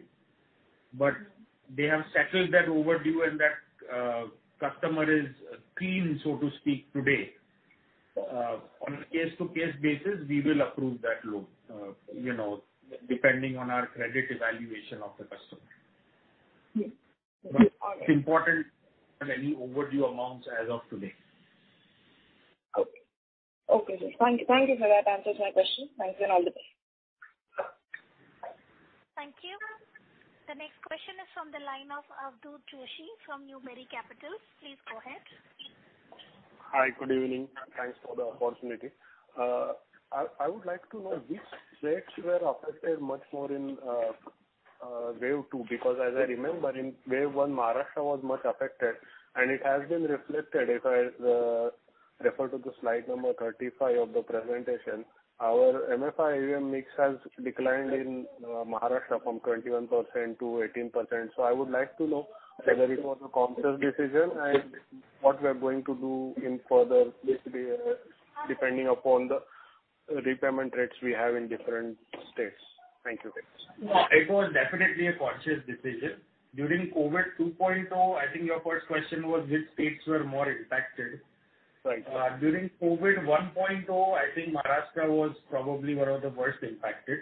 but they have settled that overdue and that customer is clean, so to speak, today, on a case-to-case basis, we will approve that loan, depending on our credit evaluation of the customer. Yes. It's important any overdue amounts as of today. Okay. Thank you, sir. That answers my question. Thanks, and all the best. Thank you, ma'am. The next question is from the line of Abdul Qureshi from Nuvera Capital. Please go ahead. Hi, good evening. Thanks for the opportunity. I would like to know which states were affected much more in wave II, because as I remember, in wave I, Maharashtra was much affected, and it has been reflected if I refer to the slide number 35 of the presentation. Our MFI AUM mix has declined in Maharashtra from 21% to 18%. I would like to know whether it was a conscious decision and what we're going to do in further depending upon the repayment rates we have in different states. Thank you, guys. It was definitely a conscious decision. During COVID 2.0, I think your first question was which states were more impacted. Right. During COVID 1.0, I think Maharashtra was probably one of the worst impacted.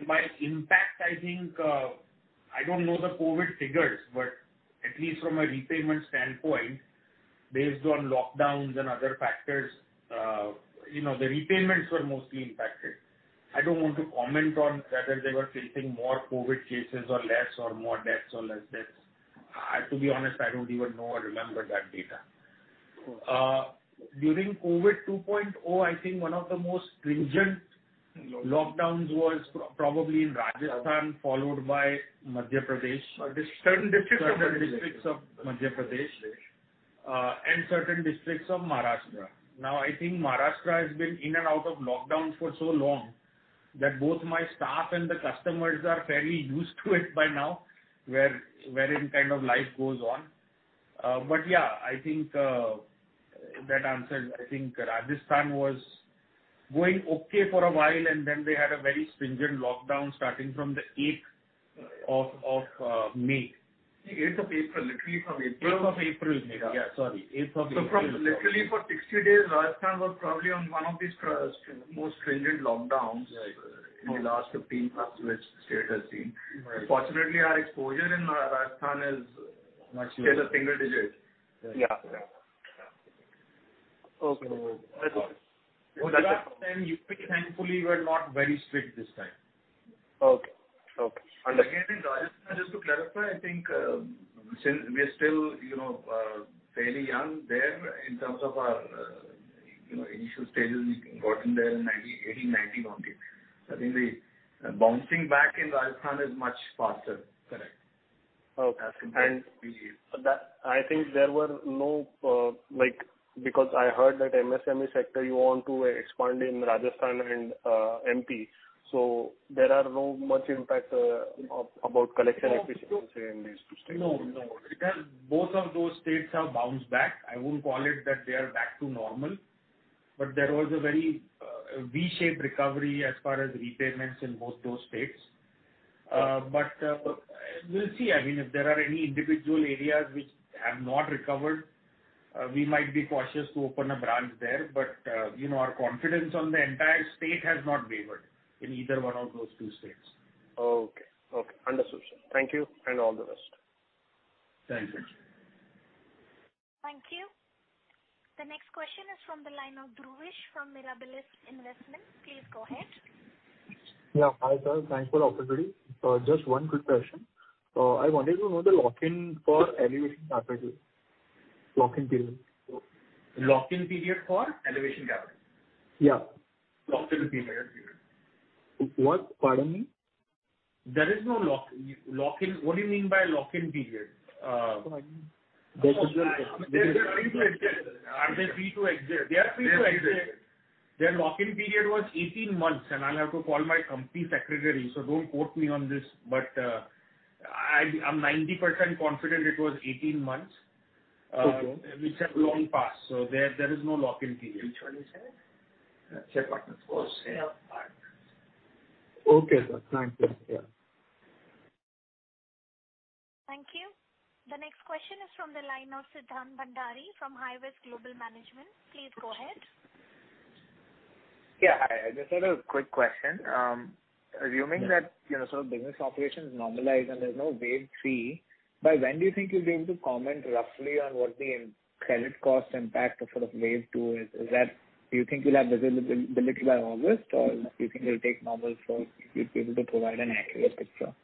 By impact, I don't know the COVID figures, but at least from a repayment standpoint, based on lockdowns and other factors, the repayments were mostly impacted. I don't want to comment on whether they were facing more COVID cases or less, or more deaths or less deaths. To be honest, I don't even know or remember that data. During COVID 2.0, I think one of the most stringent lockdowns was probably in Rajasthan, followed by Madhya Pradesh. Certain districts of Madhya Pradesh and certain districts of Maharashtra. I think Maharashtra has been in and out of lockdown for so long that both my staff and the customers are fairly used to it by now, where in life goes on. I think that answered. I think Rajasthan was going okay for a while, and then they had a very stringent lockdown starting from the 8th of May. 8th of April, literally from 8th of April. 8th of April, yeah. Sorry. 8th of April. Literally for 60 days, Rajasthan was probably on one of the most stringent lockdowns in the last 15 months which the state has seen. Right. Fortunately, our exposure in Rajasthan is in the single digits. Yeah. Okay. Got it. Uttar Pradesh, thankfully, were not very strict this time. Okay. Again, in Rajasthan, just to clarify, I think we're still very young there in terms of our initial stages. We got in there in 2018, 2019 only. I think the bouncing back in Rajasthan is much faster. Correct. Okay. I heard that MSME sector you want to expand in Rajasthan and MP. There are no much impact about collection efficiency in these two states. No. Both of those states have bounced back. I won't call it that they are back to normal. There was a very V-shaped recovery as far as repayments in both those states. We'll see. If there are any individual areas which have not recovered, we might be cautious to open a branch there. Our confidence on the entire state has not wavered in either one of those two states. Okay. Understood, sir. Thank you, and all the best. Thank you. Thank you. The next question is from the line of Dhruvesh from Mirabilis Investments. Please go ahead. Yeah. I thank you for the opportunity. Just one quick question. I wanted to know the lock-in for Elevation Capital, lock-in period. Lock-in period for Elevation Capital? Yeah. Lock-in period. What? Pardon me. There is no lock-in. What do you mean by lock-in period? They are free to exit. Their lock-in period was 18 months, and I'll have to call my company secretary, so don't quote me on this, but I'm 90% confident it was 18 months. Okay. Which have long passed. There is no lock-in period. Check what it was. Yeah. Okay, sir. Thank you. Thank you. The next question is from the line of Siddharth Bhandari from Highbridge Global Management. Please go ahead. Just a quick question. Assuming that business operations normalize and there's no wave III, by when do you think you'll be able to comment roughly on what the credit cost impact of wave II is? Do you think you'll have visibility by August, or do you think it'll take longer so you'll be able to provide an accurate picture?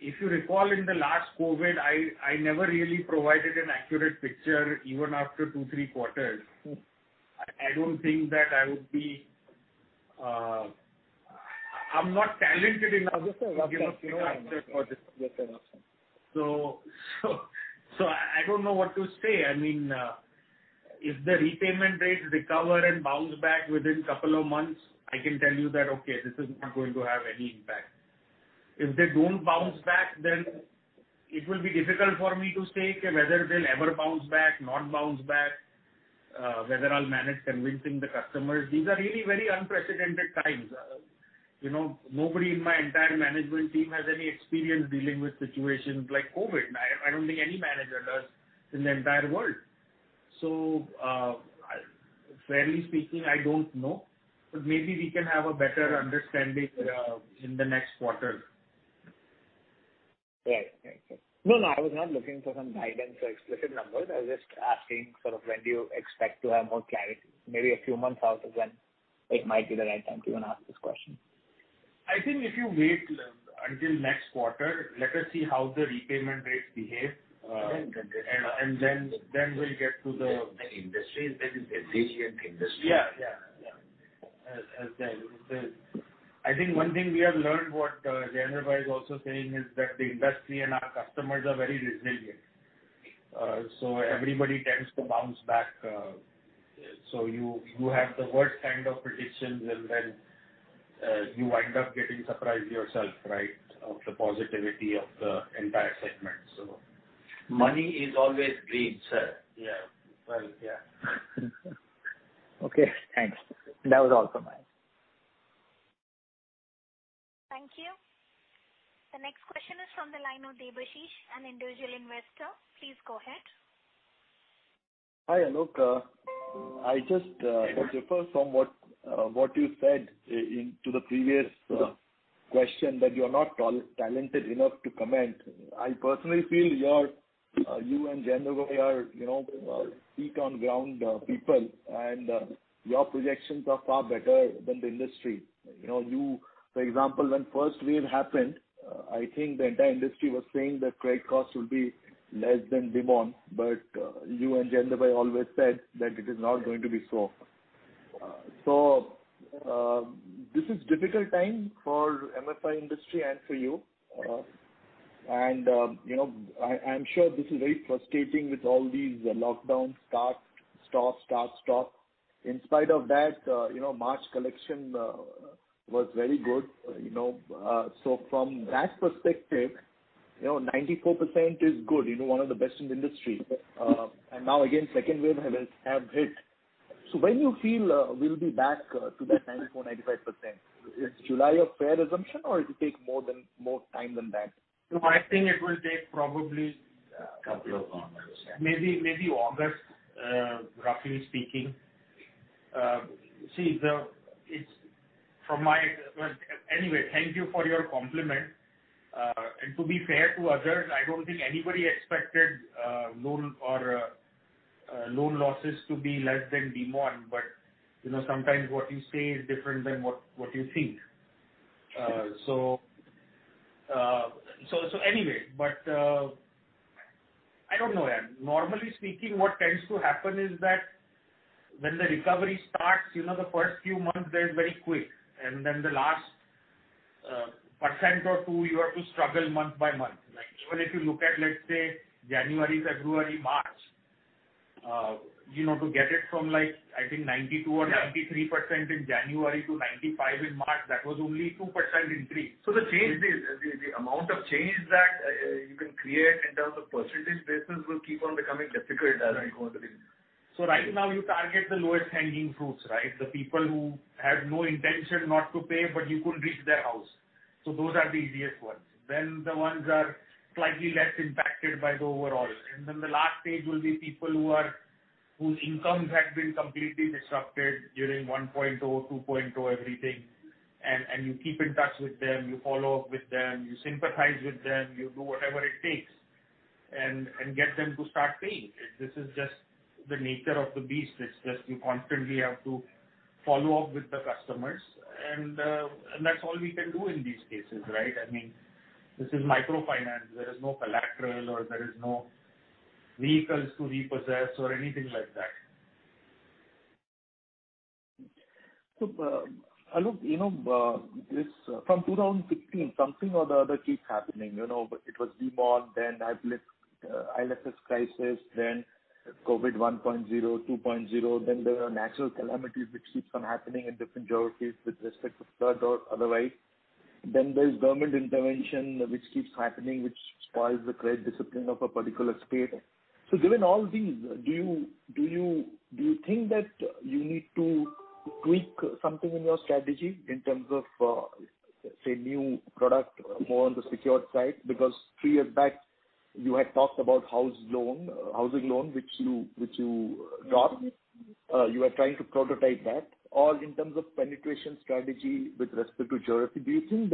If you recall in the last COVID, I never really provided an accurate picture even after two, three quarters. I'm not talented enough to give an accurate forecast. I don't know what to say. If the repayment rates recover and bounce back within a couple of months, I can tell you that, okay, this is not going to have any impact. If they don't bounce back, then it will be difficult for me to say whether they'll ever bounce back, not bounce back, whether I'll manage convincing the customers. These are really very unprecedented times. Nobody in my entire management team has any experience dealing with situations like COVID. I don't think any manager does in the entire world. Fairly speaking, I don't know. Maybe we can have a better understanding in the next quarter. Right. Thank you. No, I was not looking for some guidance or explicit numbers. I was just asking when do you expect to have more clarity? Maybe a few months out then it might be the right time to even ask this question. I think if you wait until next quarter, let us see how the repayment rates behave. Right. Got it. And then we'll get to the- This is a resilient industry. Yeah. As I said. I think one thing we have learned, what Jayendrabhai is also saying, is that the industry and our customers are very resilient. Everybody tends to bounce back. You have the worst kind of predictions and then you wind up getting surprised yourself, right, of the positivity of the entire segment. Money is always green, sir. Yeah. Right. Yeah. Okay, thanks. That was all from my end. Thank you. The next question is from the line of Debashish, an individual investor. Please go ahead. Hi, Aalok. I just refer from what you said into the previous question that you are not talented enough to comment. I personally feel you and Jayendrabhai are feet on ground people, and your projections are far better than the industry. For example, when first wave happened, I think the entire industry was saying that credit costs will be less than demand, but you and Jayendrabhai always said that it is not going to be so. This is difficult time for MFI industry and for you. I am sure this is very frustrating with all these lockdown start, stop. In spite of that, March collection was very good. From that perspective, 94% is good, one of the best in the industry. Now again, second wave has hit. When you feel we will be back to that 94%-95%? Is July a fair assumption or it'll take more time than that? I think it will take. Couple of months. Yeah maybe August, roughly speaking. Thank you for your compliment. To be fair to others, I don't think anybody expected loan losses to be less than demand. Sometimes what you say is different than what you think. Sure. Anyway. I don't know. Normally speaking, what tends to happen is that when the recovery starts, the first few months they're very quick. The last 1% or 2%, you have to struggle month by month. Even if you look at, let's say, January, February, March, to get it from, I think 92% or 93% in January to 95% in March, that was only 2% increase. The amount of change that you can create in terms of percentage basis will keep on becoming difficult as you go through. Right now you target the lowest hanging fruits, right? The people who had no intention not to pay, but you could reach their house. Those are the easiest ones. The ones are slightly less impacted by the overall. The last stage will be people whose incomes had been completely disrupted during 1.0, 2.0, everything. You keep in touch with them, you follow up with them, you sympathize with them, you do whatever it takes and get them to start paying. This is just the nature of the beast. It's just you constantly have to follow up with the customers, and that's all we can do in these cases, right? This is microfinance. There is no collateral, or there is no vehicles to repossess or anything like that. Aalok, from 2015, something or the other keeps happening. It was Demonetization, then IL&FS crisis, then COVID 1.0, 2.0, there are natural calamities which keep on happening in different geographies with respect to flood or otherwise. There's government intervention which keeps happening, which spoils the credit discipline of a particular state. Given all these, do you think that you need to tweak something in your strategy in terms of, say, new product more on the secured side? Three years back, you had talked about housing loan, which you are trying to prototype that. In terms of penetration strategy with respect to geography, do you think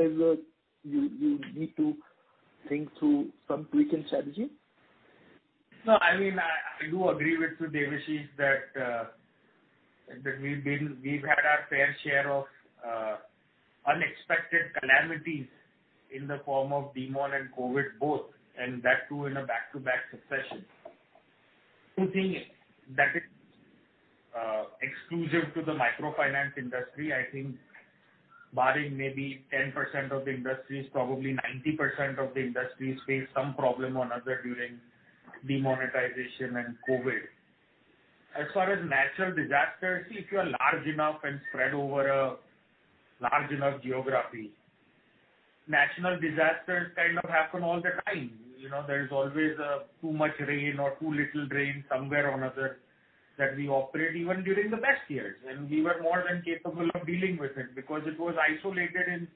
you need to think through some tweak in strategy? No, I do agree with you, Debashis, that we've had our fair share of unexpected calamities in the form of Demonetization and COVID both, and that too in a back-to-back succession. Two things. That is exclusive to the microfinance industry. I think barring maybe 10% of the industry, probably 90% of the industry faced some problem or other during Demonetization and COVID. As far as natural disasters, if you are large enough and spread over a large enough geography, natural disasters happen all the time. There's always too much rain or too little rain somewhere or other that we operate even during the best years. We were more than capable of dealing with it because it was isolated in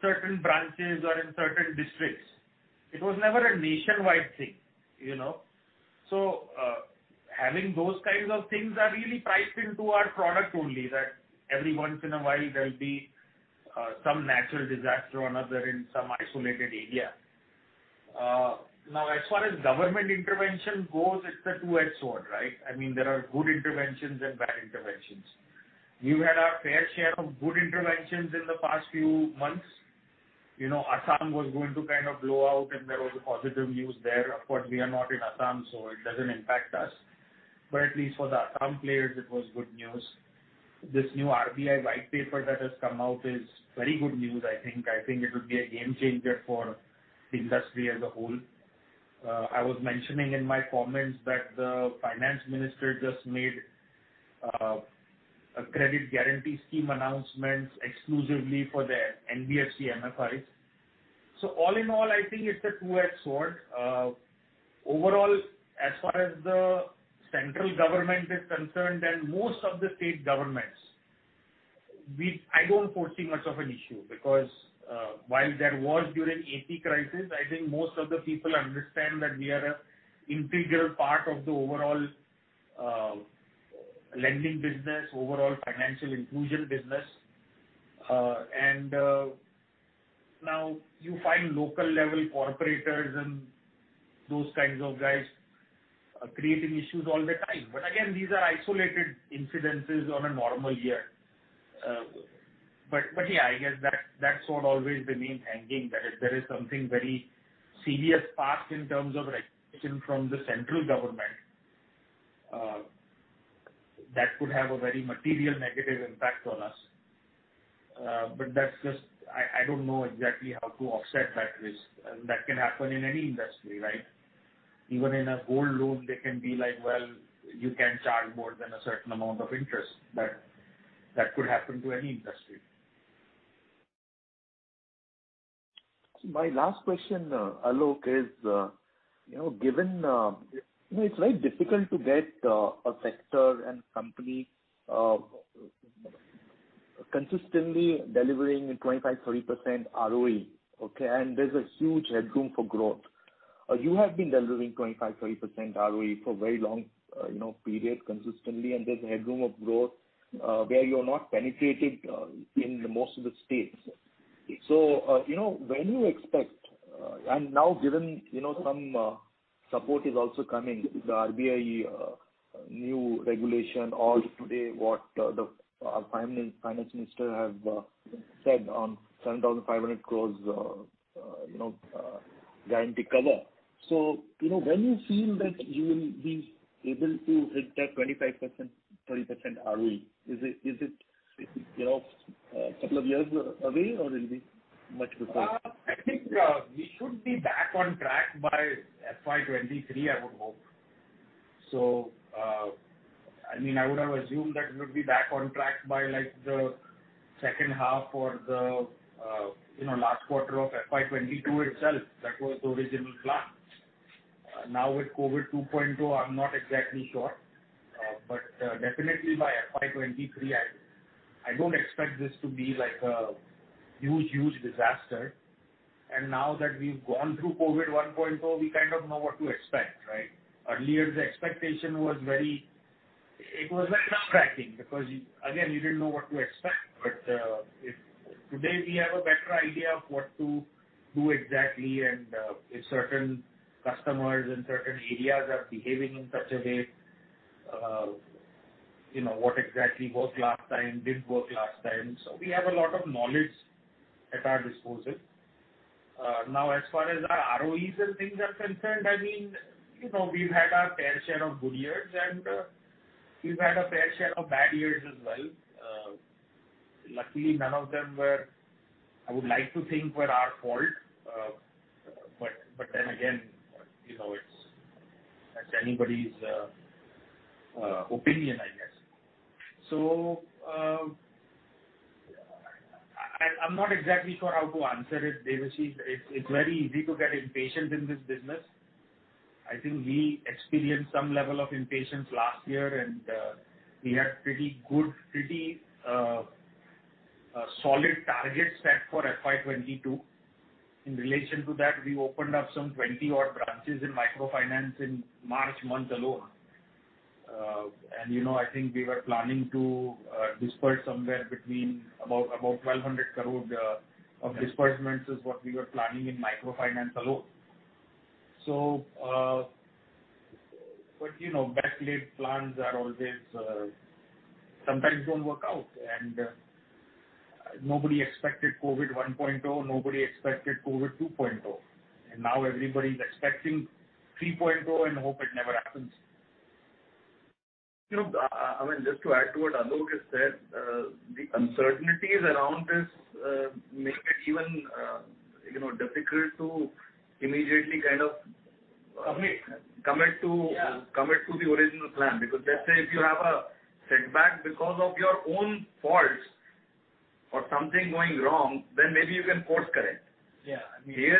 certain branches or in certain districts. It was never a nationwide thing. Having those kinds of things are really priced into our product only that every once in a while there'll be some natural disaster or other in some isolated area. As far as government intervention goes, it's a two-edged sword, right? There are good interventions and bad interventions. We've had our fair share of good interventions in the past few months. Assam was going to blow out, and there was positive news there. Of course, we are not in Assam, so it doesn't impact us, but at least for the Assam players, it was good news. This new RBI white paper that has come out is very good news, I think. I think it would be a game changer for industry as a whole. I was mentioning in my comments that the finance minister just made a credit guarantee scheme announcement exclusively for the NBFC-MFIs. All in all, I think it's a two-edged sword. Overall, as far as the central government is concerned, and most of the state governments, I don't foresee much of an issue because while there was during AP crisis, I think most of the people understand that we are an integral part of the overall lending business, overall financial inclusion business. Now you find local-level corporators and those kinds of guys creating issues all the time. Again, these are isolated incidences on a normal year. Yeah, I guess that sword always remains hanging. There is something very serious passed in terms of recognition from the central government that could have a very material negative impact on us. I don't know exactly how to offset that risk. That can happen in any industry, right? Even in a gold loan, they can be like, well, you can charge more than a certain amount of interest. That could happen to any industry. My last question, Aalok, is it's very difficult to get a sector and company consistently delivering a 25%-30% ROE, okay? There's a huge headroom for growth. You have been delivering 25%-30% ROE for a very long period consistently, and there's headroom of growth where you're not penetrated in most of the states. When you expect, and now given some support is also coming with the RBI new regulation or today what the finance minister has said on 7,500 crores guarantee cover, when you feel that you will be able to hit that 25%, 20% ROE? Is it a couple of years away or is it much before? I think we should be back on track by FY 2023, I would hope. I would have assumed that we'll be back on track by the second half or the last quarter of FY 2022 itself. That was the original plan. Now with COVID 2.0, I'm not exactly sure. Definitely by FY 2023. I don't expect this to be a huge disaster. Now that we've gone through COVID 1.0, we kind of know what to expect. Earlier, the expectation was very abstract because, again, you didn't know what to expect. Today, we have a better idea of what to do exactly, and if certain customers in certain areas are behaving in such a way. What exactly worked last time, didn't work last time. We have a lot of knowledge at our disposal. As far as ROEs and things are concerned, we've had our fair share of good years, and we've had our fair share of bad years as well. Luckily, none of them were, I would like to think, were our fault. Then again, that's anybody's opinion, I guess. I'm not exactly sure how to answer it. Basically, it's very easy to get impatient in this business. I think we experienced some level of impatience last year, and we had pretty good, pretty solid targets set for FY 2022. In relation to that, we opened up some 20-odd branches in microfinance in March month alone. I think we were planning to disperse somewhere between about 1,200 crore of disbursements is what we were planning in microfinance alone. Best-laid plans sometimes don't work out, and nobody expected COVID 1.0, nobody expected COVID 2.0, and now everybody's expecting COVID 3.0 and hope it never happens. Just to add to what Aalok just said, the uncertainties around this make it even difficult to immediately commit to the original plan. Let's say if you have a setback because of your own faults or something going wrong, then maybe you can course correct. Yeah. Here,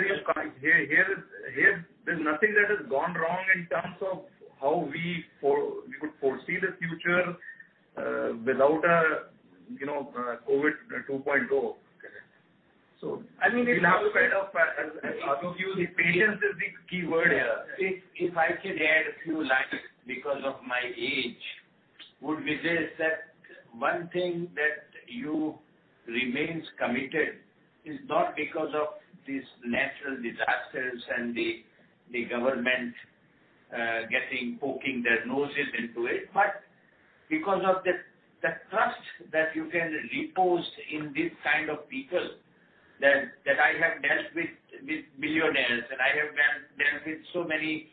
there's nothing that has gone wrong in terms of how we would foresee the future, without a COVID 2.0. I think you have a point. I think patience is the key word here. If I can add a few lines because of my age, would be this, that one thing that you remains committed is not because of these natural disasters and the government poking their noses into it, but because of the trust that you can repose in this kind of people. That I have dealt with millionaires, and I have dealt with so many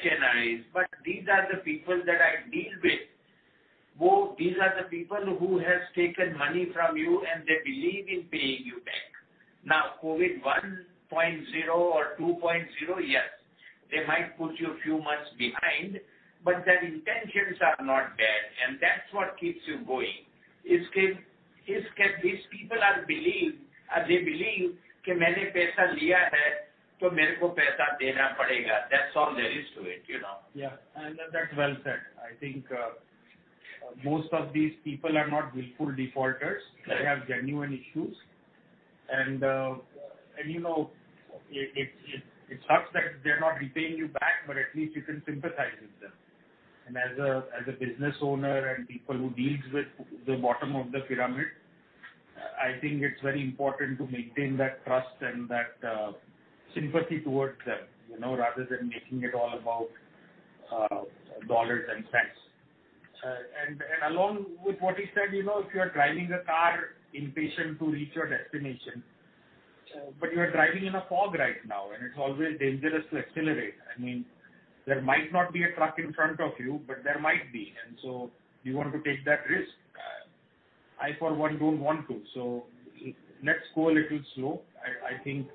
HNIs, but these are the people that I deal with. These are the people who have taken money from you, and they believe in paying you back. Now, COVID 1.0 or 2.0, yes, they might put you a few months behind, but their intentions are not bad, and that's what keeps you going. These people believe, they believe, "I have taken the money, so I will have to pay it back." That's all there is to it. Yeah. I know that's well said. I think most of these people are not willful defaulters. They have genuine issues. It sucks that they're not repaying you back, but at least you can sympathize with them. As a business owner and people who deals with the bottom of the pyramid, I think it's very important to maintain that trust and that sympathy towards them, rather than making it all about dollars and cents. Along with what you said, if you're driving a car, impatient to reach your destination, but you're driving in a fog right now, and it's always dangerous to accelerate. There might not be a truck in front of you, but there might be, and so do you want to take that risk? I, for one, don't want to. Let's go a little slow. I think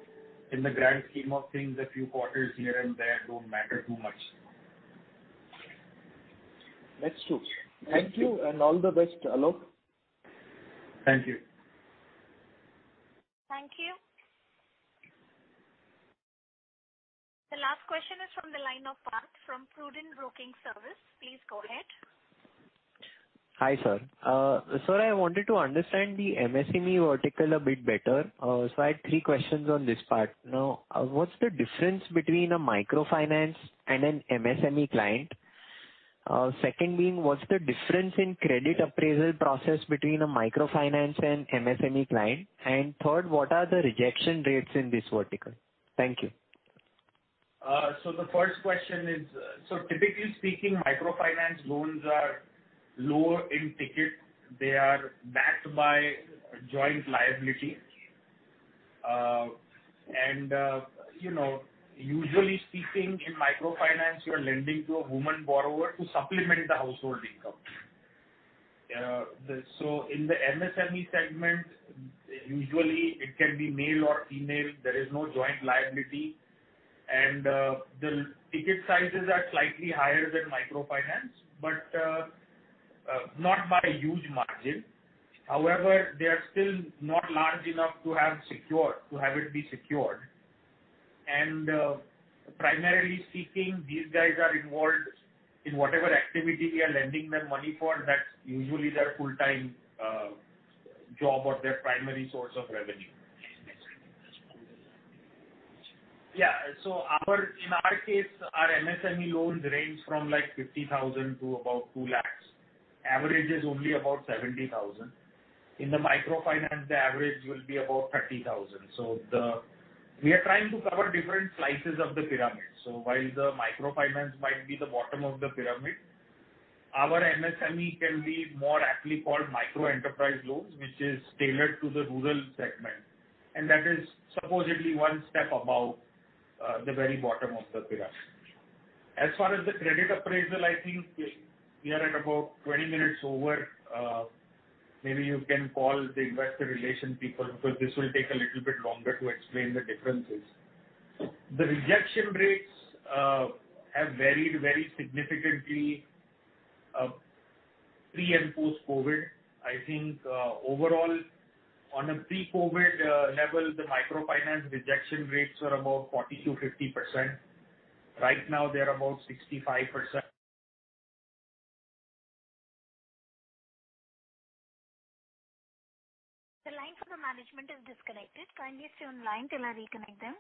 in the grand scheme of things, a few quarters here and there don't matter too much. That's true. Thank you, and all the best, Aalok. Thank you. Thank you. The last question is from the line of Parth from Prudent Broking Services. Please go ahead. Hi, sir. Sir, I wanted to understand the MSME vertical a bit better. I have three questions on this part. What's the difference between a microfinance and an MSME client? Second being, what's the difference in credit appraisal process between a microfinance and MSME client? Third, what are the rejection rates in this vertical? Thank you. The first question is, typically speaking, microfinance loans are lower in ticket. They are backed by joint liability. Usually speaking, in microfinance, you're lending to a woman borrower to supplement the household income. In the MSME segment, usually it can be male or female. There is no joint liability, the ticket sizes are slightly higher than microfinance, but not by a huge margin. However, they're still not large enough to have it be secured. Primarily speaking, these guys are involved in whatever activity we are lending them money for, that's usually their full-time job or their primary source of revenue. In our case, our MSME loans range from 50,000-2 lakhs. Average is only about 70,000. In the microfinance, the average will be about 30,000. We are trying to cover different slices of the pyramid. While the microfinance might be the bottom of the pyramid, our MSME can be more aptly called microenterprise loans, which is tailored to the rural segment, and that is supposedly one step above the very bottom of the pyramid. As far as the credit appraisal, I think we are at about 20 minutes over. Maybe you can call the investor relation people because this will take a little bit longer to explain the differences. The rejection rates have varied very significantly pre- and post-COVID. I think, overall, on a pre-COVID level, the microfinance rejection rates were about 40%-50%. Right now, they're about 65%. The line for the management is disconnected. Kindly stay on line till I reconnect them.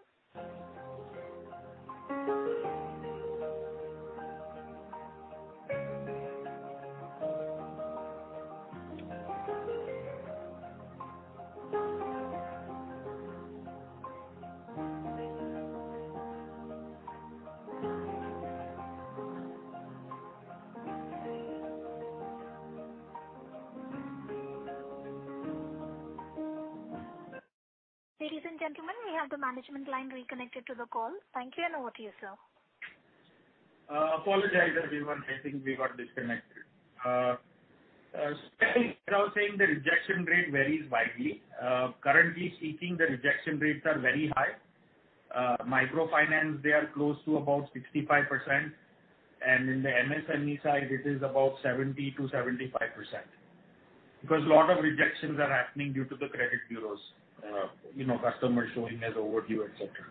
Ladies and gentlemen, we have the management line reconnected to the call. Thank you. Over to you, sir. Apologize everyone. I think we got disconnected. I was saying the rejection rate varies widely. Currently speaking, the rejection rates are very high. Microfinance, they are close to about 65%, and in the MSME side, it is about 70%-75%. Because a lot of rejections are happening due to the credit bureaus, customer showing as overdue, et cetera.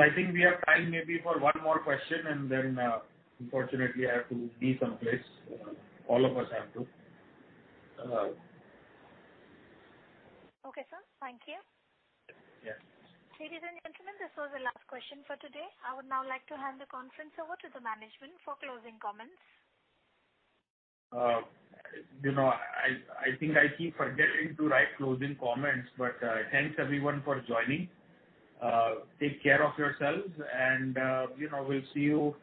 I think we have time maybe for one more question, and then, unfortunately, I have to leave someplace. All of us have to. Okay, sir. Thank you. Yes. Ladies and gentlemen, this was the last question for today. I would now like to hand the conference over to the management for closing comments. I think I keep forgetting to write closing comments, but thanks everyone for joining. Take care of yourselves and we'll see you,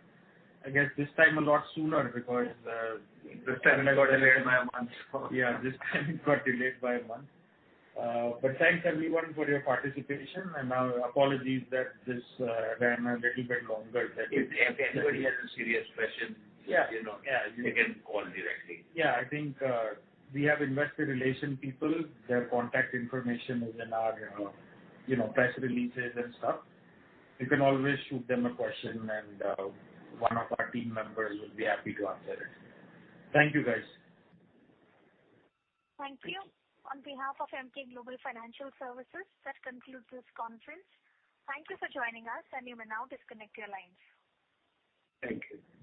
I guess, this time a lot sooner because. This time it got delayed by a month. Yeah, this time it got delayed by a month. Thanks everyone for your participation, and our apologies that this ran a little bit longer. If anybody has a serious question- Yeah they can call directly. Yeah. I think we have investor relation people. Their contact information is in our press releases and stuff. You can always shoot them a question, and one of our team members will be happy to answer it. Thank you, guys. Thank you. On behalf of Emkay Global Financial Services, that concludes this conference. Thank you for joining us, and you may now disconnect your lines. Thank you.